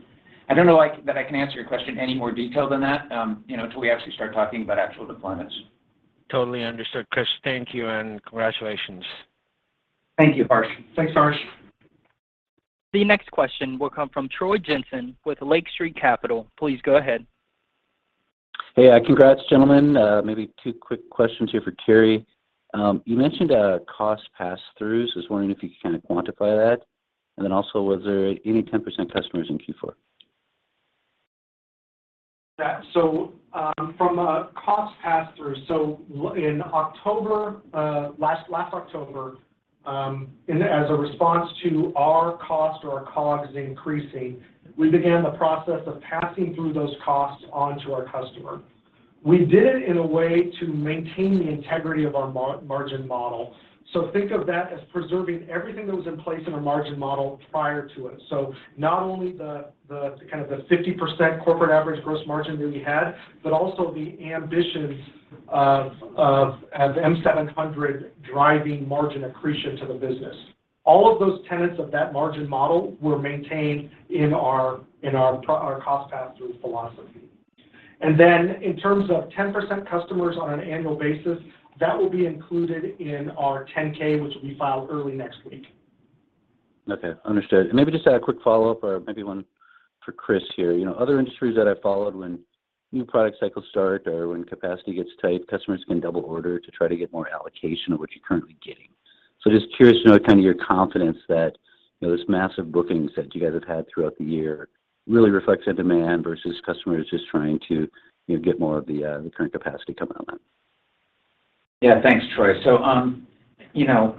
I don't know, like, that I can answer your question any more detailed than that, you know, till we actually start talking about actual deployments. Totally understood, Chris. Thank you, and congratulations. Thank you, Harsh. Thanks, Harsh. The next question will come from Troy Jensen with Lake Street Capital Markets. Please go ahead. Hey. Congrats, gentlemen. Maybe two quick questions here for Cary. You mentioned cost passthroughs. I was wondering if you could kind of quantify that. Also, was there any 10% customers in Q4? From a cost passthrough, in last October, as a response to our cost or our COGS increasing, we began the process of passing through those costs on to our customer. We did it in a way to maintain the integrity of our margin model. Think of that as preserving everything that was in place in our margin model prior to it. Not only the kind of 50% corporate average gross margin that we had, but also the ambitions of M700 driving margin accretion to the business. All of those tenets of that margin model were maintained in our cost passthrough philosophy. In terms of 10% customers on an annual basis, that will be included in our 10-K, which will be filed early next week. Okay. Understood. Maybe just a quick Follow-Up or maybe one for Chris here. You know, other industries that I followed when new product cycles start or when capacity gets tight, customers can double order to try to get more allocation of what you're currently getting. Just curious to know kind of your confidence that, you know, this massive bookings that you guys have had throughout the year really reflects the demand versus customers just trying to, you know, get more of the current capacity coming online. Yeah. Thanks, Troy. You know,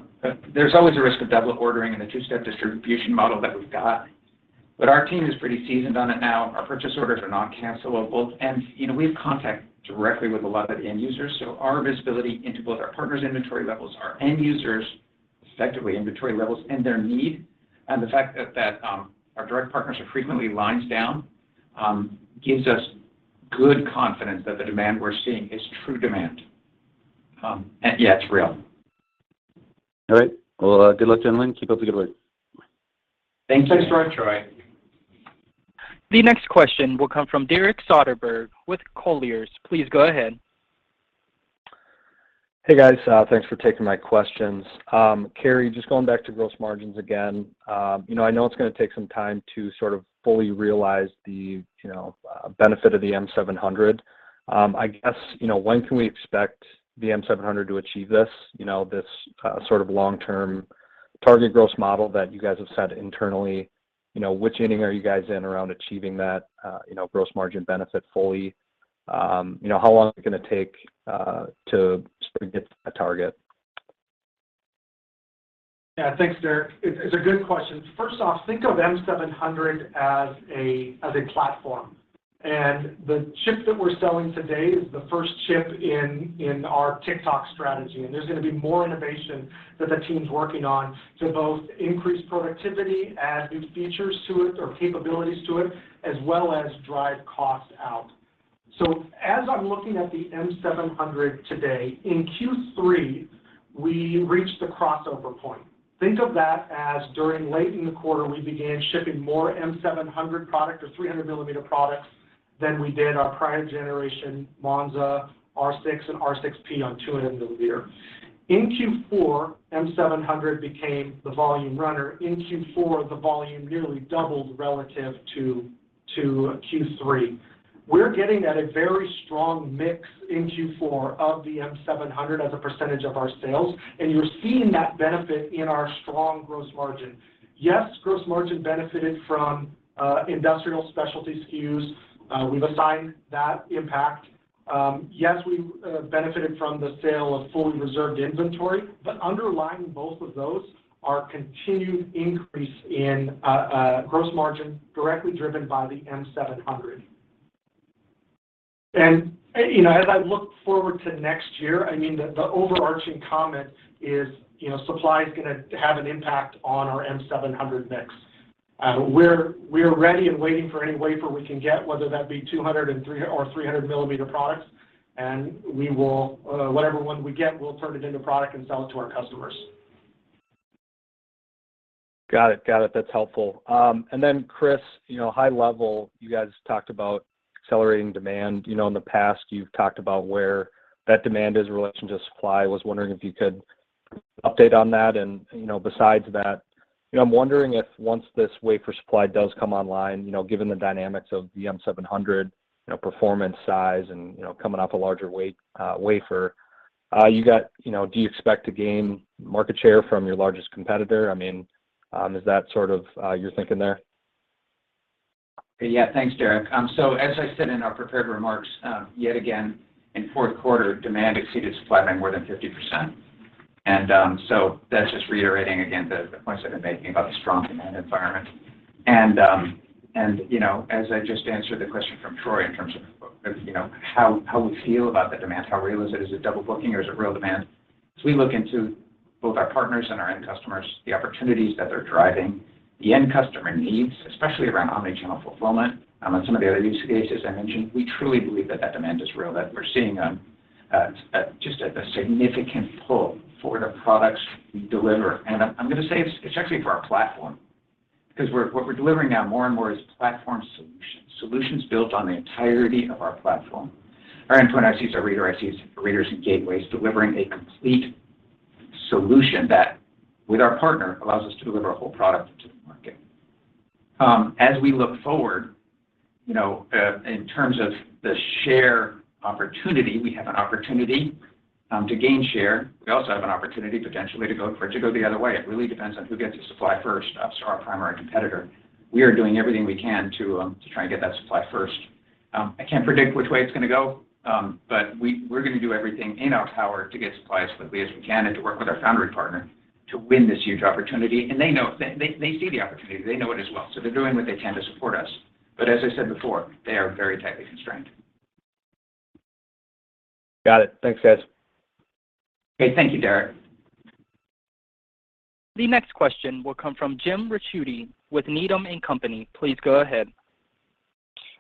there's always a risk of double ordering in the two-step distribution model that we've got, but our team is pretty seasoned on it now. Our purchase orders are Non-cancelable. You know, we have contact directly with a lot of end users, so our visibility into both our partners' inventory levels, our end users' respective inventory levels and their need, and the fact that our direct partners are frequently lines down, gives us good confidence that the demand we're seeing is true demand. Yeah, it's real. All right. Well, good luck to everyone. Keep up the good work. Thank you. Thanks, Troy. The next question will come from Derek Soderberg with Colliers Securities. Please go ahead. Hey, guys. Thanks for taking my questions. Cary, just going back to gross margins again. You know, I know it's gonna take some time to sort of fully realize the, you know, benefit of the M700. I guess, you know, when can we expect the M700 to achieve this, you know, this sort of Long-Term target gross margin that you guys have set internally? You know, which inning are you guys in around achieving that, you know, gross margin benefit fully? You know, how long is it gonna take to sort of get to that target? Yeah. Thanks, Derek. It's a good question. First off, think of M700 as a platform, and the chip that we're selling today is the first chip in our tick-tock strategy, and there's gonna be more innovation that the team's working on to both increase productivity, add new features to it or capabilities to it, as well as drive costs out. As I'm looking at the M700 today, in Q3, we reached the crossover point. Think of that as during late in the 1/4, we began shipping more M700 product or our 300-millimeter products than we did our prior generation Monza, R6, and R6-P on 200-millimeter. In Q4, M700 became the volume runner. In Q4, the volume nearly doubled relative to Q3. We're getting a very strong mix in Q4 of the M700 as a percentage of our sales, and you're seeing that benefit in our strong gross margin. Yes, gross margin benefited from industrial specialty SKUs. We've assigned that impact. Yes, we benefited from the sale of fully reserved inventory, but underlying both of those are continued increase in gross margin directly driven by the M700. You know, as I look forward to next year, I mean the overarching comment is, you know, supply is gonna have an impact on our M700 mix. We're ready and waiting for any wafer we can get, whether that be 200- or 300-millimeter products, and we will. whatever one we get, we'll turn it into product and sell it to our customers. Got it. That's helpful. Chris, you know, high level, you guys talked about accelerating demand. You know, in the past you've talked about where that demand is in relation to supply. Was wondering if you could update on that. You know, besides that, you know, I'm wondering if once this wafer supply does come online, you know, given the dynamics of the M700, you know, performance size and, you know, coming off a larger wafer, you know, do you expect to gain market share from your largest competitor? I mean, is that sort of your thinking there? Yeah. Thanks, Derek. As I said in our prepared remarks, yet again, in fourth 1/4 demand exceeded supply by more than 50%. You know, as I just answered the question from Troy in terms of how we feel about the demand, how real is it, is it double booking or is it real demand? As we look into both our partners and our end customers, the opportunities that they're driving, the end customer needs, especially around Omni-Channel fulfillment, and some of the other use cases I mentioned, we truly believe that demand is real, that we're seeing a significant pull for the products we deliver. I'm gonna say it's actually for our platform, 'cause what we're delivering now more and more is platform solutions built on the entirety of our platform. Our endpoint ICs, our reader ICs, readers and gateways, delivering a complete solution that, with our partner, allows us to deliver a whole product to the market. As we look forward, you know, in terms of the share opportunity, we have an opportunity to gain share. We also have an opportunity potentially for it to go the other way. It really depends on who gets the supply first, so our primary competitor. We are doing everything we can to try and get that supply first. I can't predict which way it's gonna go, but we're gonna do everything in our power to get supply as quickly as we can and to work with our foundry partner to win this huge opportunity. They know they see the opportunity, they know it as well, so they're doing what they can to support us. As I said before, they are very tightly constrained. Got it. Thanks, guys. Great. Thank you, Derek. The next question will come from Jim Ricchiuti with Needham & Company. Please go ahead.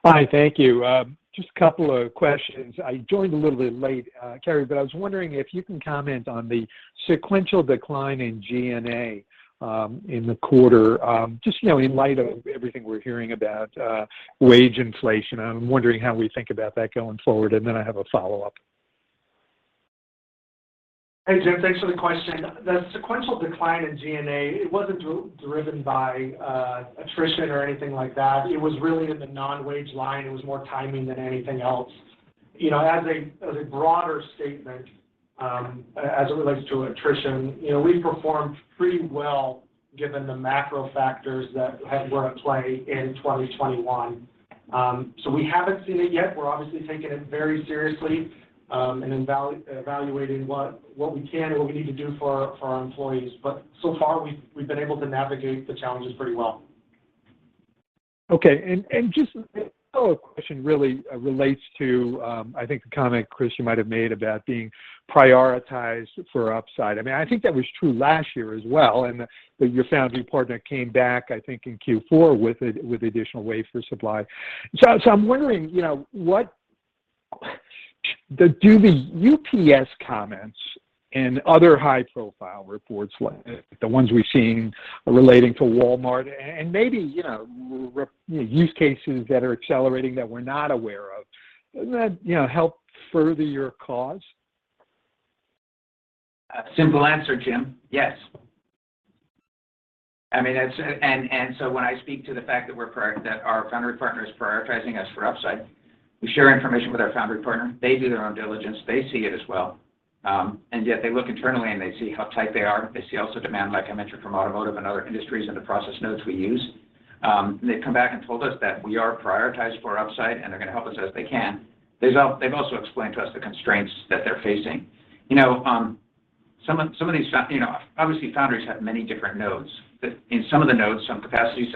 Hi. Thank you. Just a couple of questions. I joined a little bit late, Cary, but I was wondering if you can comment on the sequential decline in G&A in the 1/4, just you know in light of everything we're hearing about wage inflation. I'm wondering how we think about that going forward, and then I have a Follow-Up. Hey, Jim. Thanks for the question. The sequential decline in G&A, it wasn't driven by attrition or anything like that. It was really in the Non-wage line. It was more timing than anything else. You know, as a broader statement, as it relates to attrition, you know, we performed pretty well given the macro factors that were at play in 2021. So we haven't seen it yet. We're obviously taking it very seriously, and evaluating what we can and what we need to do for our employees. But so far we've been able to navigate the challenges pretty well. Okay. Just the Follow-Up question really relates to, I think the comment, Chris, you might have made about being prioritized for upside. I mean, I think that was true last year as well, and that your foundry partner came back, I think, in Q4 with additional wafers supplied. I'm wondering, you know, do the UPS comments and other high-profile reports, like the ones we've seen relating to Walmart, and maybe, you know, use cases that are accelerating that we're not aware of, doesn't that, you know, help further your cause? A simple answer, Jim: Yes. I mean, it's that our foundry partner is prioritizing us for upside. We share information with our foundry partner. They do their own diligence. They see it as well. Yet they look internally, and they see how tight they are. They see also demand, like I mentioned, from automotive and other industries and the process nodes we use. They've come back and told us that we are prioritized for upside, and they're gonna help us as they can. They've also explained to us the constraints that they're facing. You know, some of these. You know, obviously, foundries have many different nodes. In some of the nodes, some capacity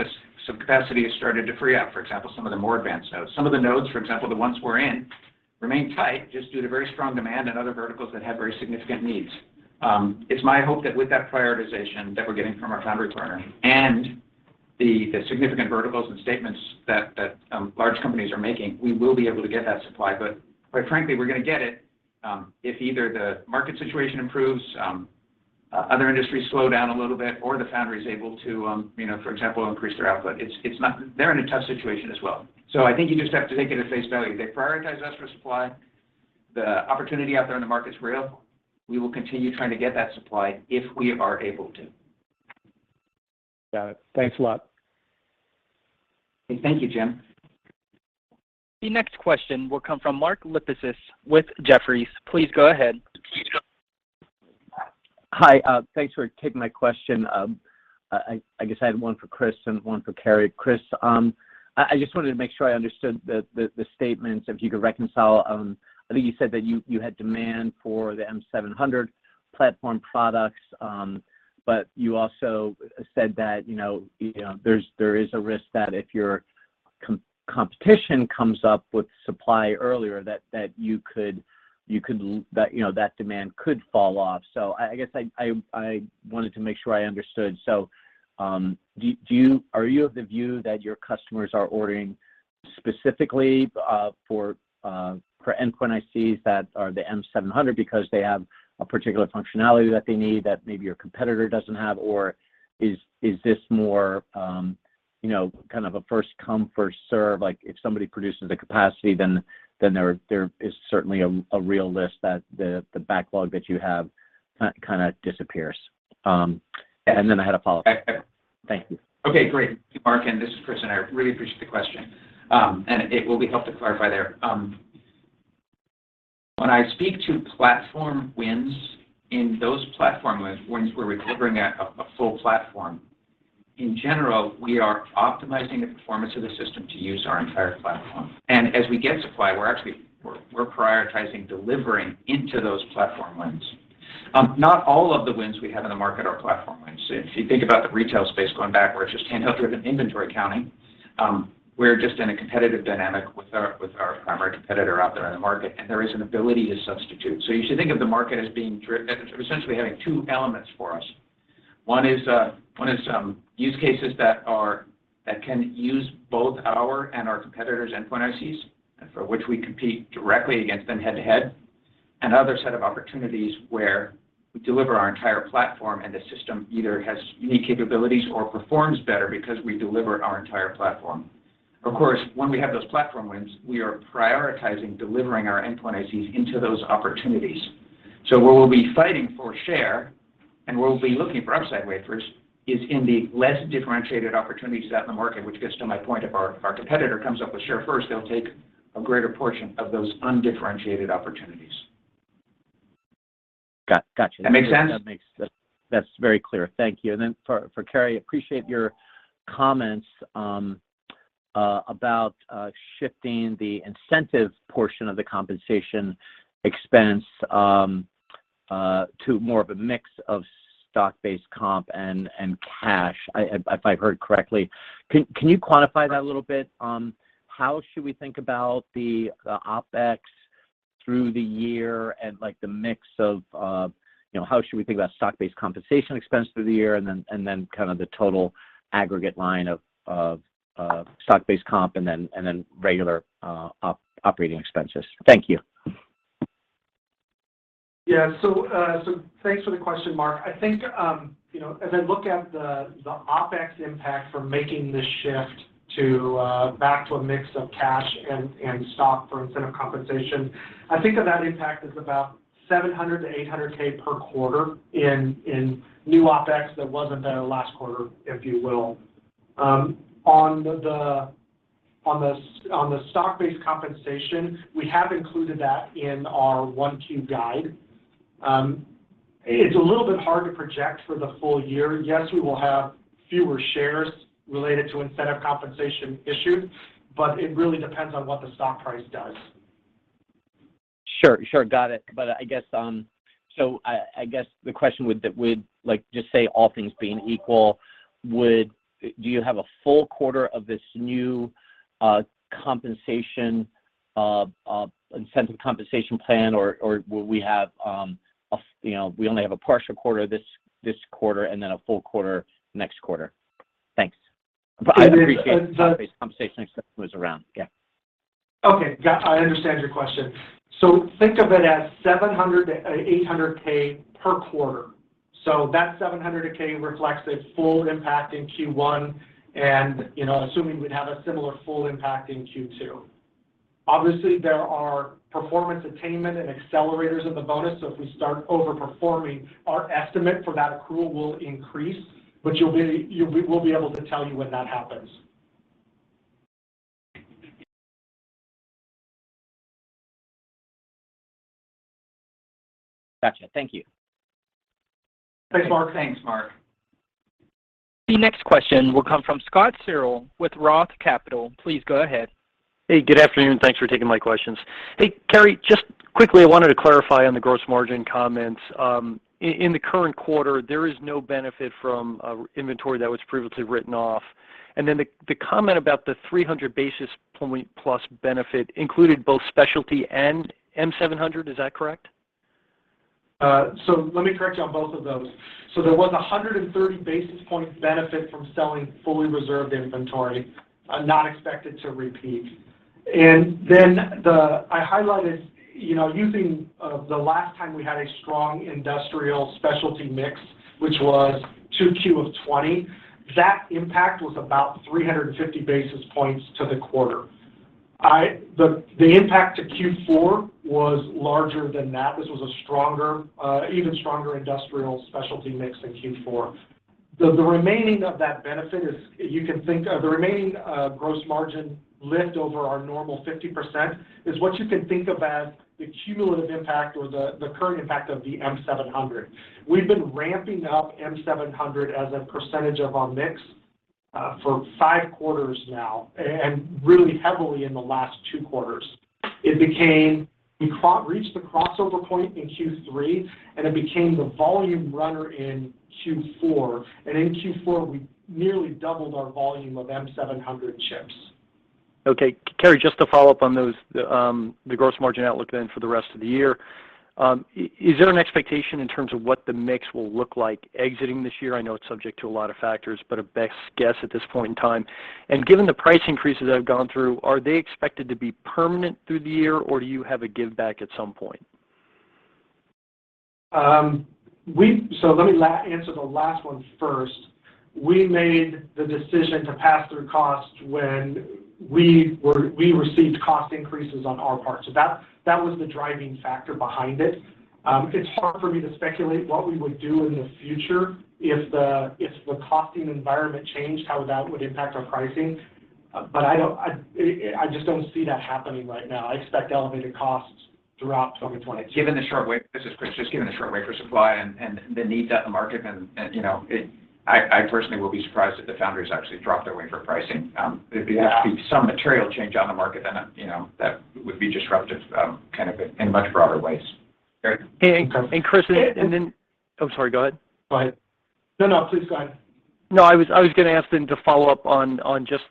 has started to free up, for example, some of the more advanced nodes. Some of the nodes, for example, the ones we're in, remain tight just due to very strong demand and other verticals that have very significant needs. It's my hope that with that prioritization that we're getting from our foundry partner and the significant verticals and statements that large companies are making, we will be able to get that supply. Quite frankly, we're gonna get it, if either the market situation improves, other industries slow down a little bit, or the foundry's able to, you know, for example, increase their output. It's not. They're in a tough situation as well. I think you just have to take it at face value. They prioritize us for supply. The opportunity out there in the market's real. We will continue trying to get that supply if we are able to. Got it. Thanks a lot. Okay. Thank you, Jim. The next question will come from Mark Lipacis with Jefferies. Please go ahead. Hi. Thanks for taking my question. I guess I had one for Chris and one for Cary. Chris, I just wanted to make sure I understood the statements, if you could reconcile. I think you said that you had demand for the M700 platform products, but you also said that, you know, there is a risk that if your competition comes up with supply earlier, that you could lose that, you know, that demand could fall off. I guess I wanted to make sure I understood. Are you of the view that your customers are ordering specifically for endpoint ICs that are the M700 because they have a particular functionality that they need that maybe your competitor doesn't have? Or is this more, you know, kind of a first come, first serve, like if somebody produces the capacity, then there is certainly a real risk that the backlog that you have kinda disappears? I had a Follow-Up.I Thank you. Okay. Great. Mark, this is Chris, and I really appreciate the question. It will be helpful to clarify there. When I speak to platform wins, in those platform wins we're recovering, a full platform. In general, we are optimizing the performance of the system to use our entire platform. As we get supply, we're actually prioritizing delivering into those platform wins. Not all of the wins we have in the market are platform wins. If you think about the retail space going back where it's just handheld-driven inventory counting, we're just in a competitive dynamic with our primary competitor out there in the market, and there is an ability to substitute. You should think of the market as being essentially having two elements for us. One is use cases that can use both our and our competitors' endpoint ICs, and for which we compete directly against them head-to-head, another set of opportunities where we deliver our entire platform, and the system either has unique capabilities or performs better because we deliver our entire platform. Of course, when we have those platform wins, we are prioritizing delivering our endpoint ICs into those opportunities. Where we'll be fighting for share and where we'll be looking for upside wafers is in the less differentiated opportunities out in the market, which gets to my point. If our competitor comes up with share first, they'll take a greater portion of those undifferentiated opportunities. Got-gotcha. That makes sense? That's very clear. Thank you. For Cary, I appreciate your comments about shifting the incentive portion of the compensation expense to more of a mix of stock-based comp and cash if I heard correctly. Can you quantify that a little bit? How should we think about the OpEx through the year and, like, the mix of, you know, how should we think about stock-based compensation expense through the year and then kind of the total aggregate line of stock-based comp and then regular operating expenses? Thank you. Thanks for the question, Mark. I think, as I look at the OpEx impact from making this shift back to a mix of cash and stock for incentive compensation, I think that impact is about $700K-$800K per 1/4 in new OpEx that wasn't there last 1/4, if you will. On the stock-based compensation, we have included that in our 1Q guide. It's a little bit hard to project for the full year. Yes, we will have fewer shares related to incentive compensation issued, but it really depends on what the stock price does. Sure, sure. Got it. I guess, like, just say all things being equal, do you have a full 1/4 of this new incentive compensation plan or will we have, you know, we only have a partial 1/4 this 1/4 and then a full 1/4 next 1/4? Thanks. Yeah, and I'd appreciate it if that base compensation was around, yeah. Okay. I understand your question. Think of it as $700-$800K per 1/4. That $700K reflects a full impact in Q1 and, you know, assuming we'd have a similar full impact in Q2. Obviously, there are performance attainment and accelerators of the bonus, so if we start over-performing, our estimate for that accrual will increase, but we will be able to tell you when that happens. Gotcha. Thank you. Thanks, Mark. Thanks, Mark. The next question will come from Scott Searle with Roth Capital Partners. Please go ahead. Hey, good afternoon. Thanks for taking my questions. Hey, Cary, just quickly, I wanted to clarify on the gross margin comments. In the current 1/4, there is no benefit from inventory that was previously written off. The comment about the 300 basis point plus benefit included both specialty and M700, is that correct? Let me correct you on both of those. There was 130 basis points benefit from selling fully reserved inventory, not expected to repeat. I highlighted, you know, using the last time we had a strong industrial specialty mix, which was 2Q of 2020, that impact was about 350 basis points to the 1/4. The impact to Q4 was larger than that. This was a stronger, even stronger industrial specialty mix in Q4. The remaining gross margin lift over our normal 50% is what you can think of as the cumulative impact or the current impact of the M700. We've been ramping up M700 as a percentage of our mix for five quarters now and really heavily in the last two quarters. We reached the crossover point in Q3, and it became the volume runner in Q4. In Q4, we nearly doubled our volume of M700 chips. Okay. Cary, just to follow up on those, the gross margin outlook then for the rest of the year, is there an expectation in terms of what the mix will look like exiting this year? I know it's subject to a lot of factors, but a best guess at this point in time. Given the price increases that have gone through, are they expected to be permanent through the year, or do you have a give back at some point? Let me answer the last one first. We made the decision to pass through cost when we received cost increases on our part. That was the driving factor behind it. It's hard for me to speculate what we would do in the future if the costing environment changed, how that would impact our pricing. I just don't see that happening right now. I expect elevated costs throughout 2022. This is Chris. Just given the short wafer supply and the needs in the market and, you know, I personally will be surprised if the foundries actually drop their wafer pricing. There'd be Yeah Actually some material change on the market then, you know, that would be disruptive, kind of in much broader ways. Cary? Chris, and then. A-And- I'm sorry, go ahead. Go ahead. No, no, please go ahead. No, I was gonna ask then to follow up on just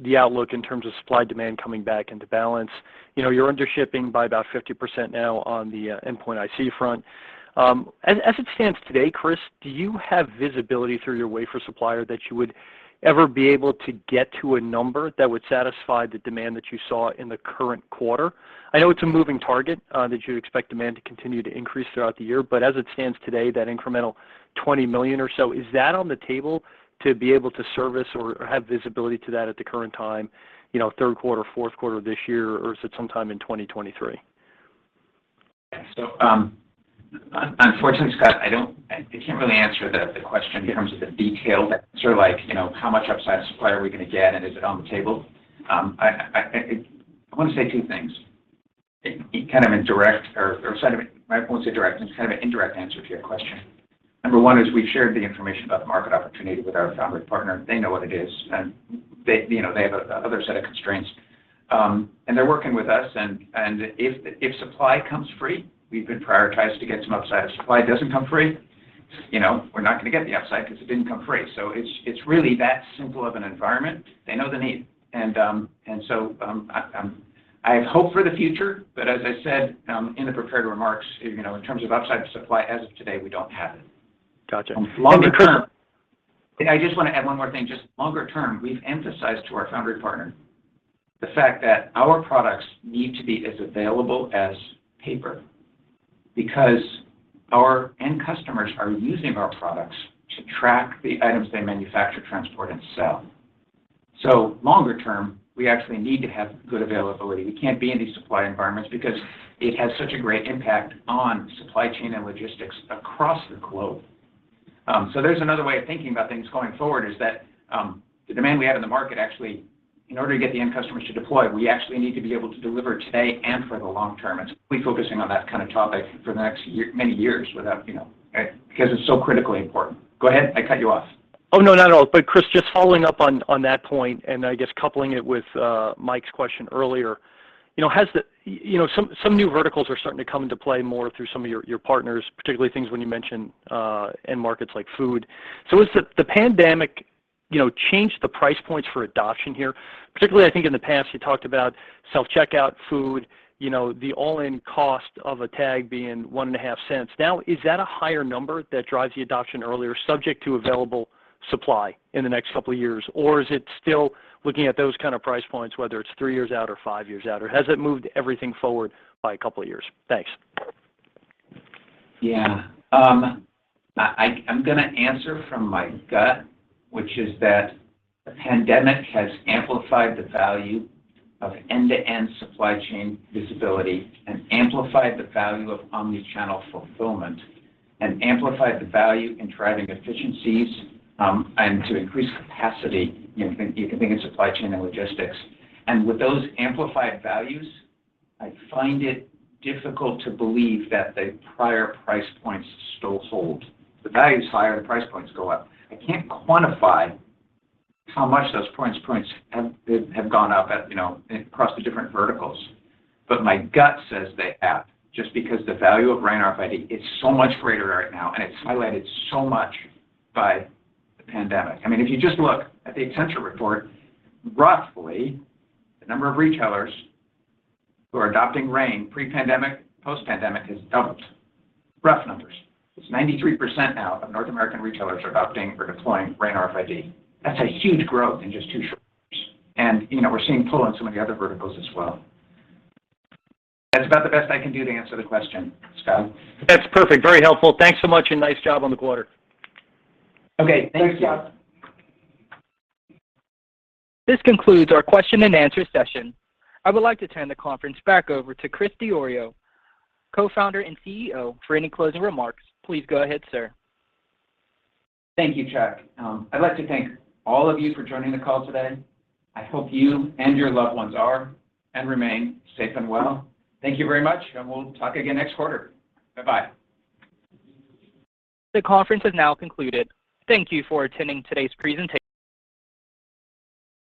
the outlook in terms of supply-demand coming back into balance. You know, you're under shipping by about 50% now on the endpoint IC front. As it stands today, Chris, do you have visibility through your wafer supplier that you would ever be able to get to a number that would satisfy the demand that you saw in the current 1/4? I know it's a moving target that you'd expect demand to continue to increase throughout the year, but as it stands today, that incremental 20 million or so, is that on the table to be able to service or have visibility to that at the current time, you know, 1/3 1/4, fourth 1/4 of this year, or is it sometime in 2023? Unfortunately, Scott, I don't. I can't really answer the question in terms of the detail. That's sort of like, you know, how much upside supply are we gonna get, and is it on the table? I wanna say two things in kind of indirect or sort of in, I won't say direct. It's kind of an indirect answer to your question. Number one is we've shared the information about the market opportunity with our foundry partner. They know what it is, and they, you know, they have another set of constraints. They're working with us, and if supply comes free, we've been prioritized to get some upside. If supply doesn't come free, you know, we're not gonna get the upside 'cause it didn't come free. It's really that simple of an environment. They know the need. I have hope for the future, but as I said, in the prepared remarks, you know, in terms of upside supply as of today, we don't have it. Gotcha. Longer term. Chris I just wanna add one more thing. Just longer term, we've emphasized to our foundry partner the fact that our products need to be as available as paper because our end customers are using our products to track the items they manufacture, transport, and sell. Longer term, we actually need to have good availability. We can't be in these supply environments because it has such a great impact on supply chain and logistics across the globe. There's another way of thinking about things going forward is that, the demand we have in the market, actually, in order to get the end customers to deploy, we actually need to be able to deliver today and for the long term. We're focusing on that kind of topic for the next year, many years without, you know, because it's so critically important. Go ahead. I cut you off. Oh, no, not at all. Chris, just following up on that point, and I guess coupling it with Mike's question earlier, you know, some new verticals are starting to come into play more through some of your partners, particularly things when you mention end markets like food. Has the pandemic, you know, changed the price points for adoption here? Particularly, I think in the past, you talked about self-checkout, food, you know, the all-in cost of a tag being $0.015. Now, is that a higher number that drives the adoption earlier, subject to available supply in the next couple of years? Or is it still looking at those kind of price points, whether it's three years out or five years out? Or has it moved everything forward by a couple of years? Thanks. Yeah. I'm gonna answer from my gut, which is that the pandemic has amplified the value of end-to-end supply chain visibility and amplified the value of Omni-Channel fulfillment and amplified the value in driving efficiencies, and to increase capacity. You can think of supply chain and logistics. With those amplified values, I find it difficult to believe that the prior price points still hold. The value is higher, the price points go up. I can't quantify how much those price points have gone up at, you know, across the different verticals. My gut says they have, just because the value of RAIN RFID is so much greater right now, and it's highlighted so much by the pandemic. I mean, if you just look at the Accenture report, roughly the number of retailers who are adopting RAIN pre-pandemic, post-pandemic has doubled. Rough numbers. It's 93% now of North American retailers are adopting or deploying RAIN RFID. That's a huge growth in just two short years. You know, we're seeing pull in some of the other verticals as well. That's about the best I can do to answer the question, Scott. That's perfect. Very helpful. Thanks so much, and nice job on the 1/4. Okay. Thank you. This concludes our question and answer session. I would like to turn the conference back over to Chris Diorio, Co-Founder and CEO, for any closing remarks. Please go ahead, sir. Thank you, Chuck. I'd like to thank all of you for joining the call today. I hope you and your loved ones are, and remain, safe and well. Thank you very much, and we'll talk again next 1/4. Bye-bye. The conference has now concluded. Thank you for attending today's presentation.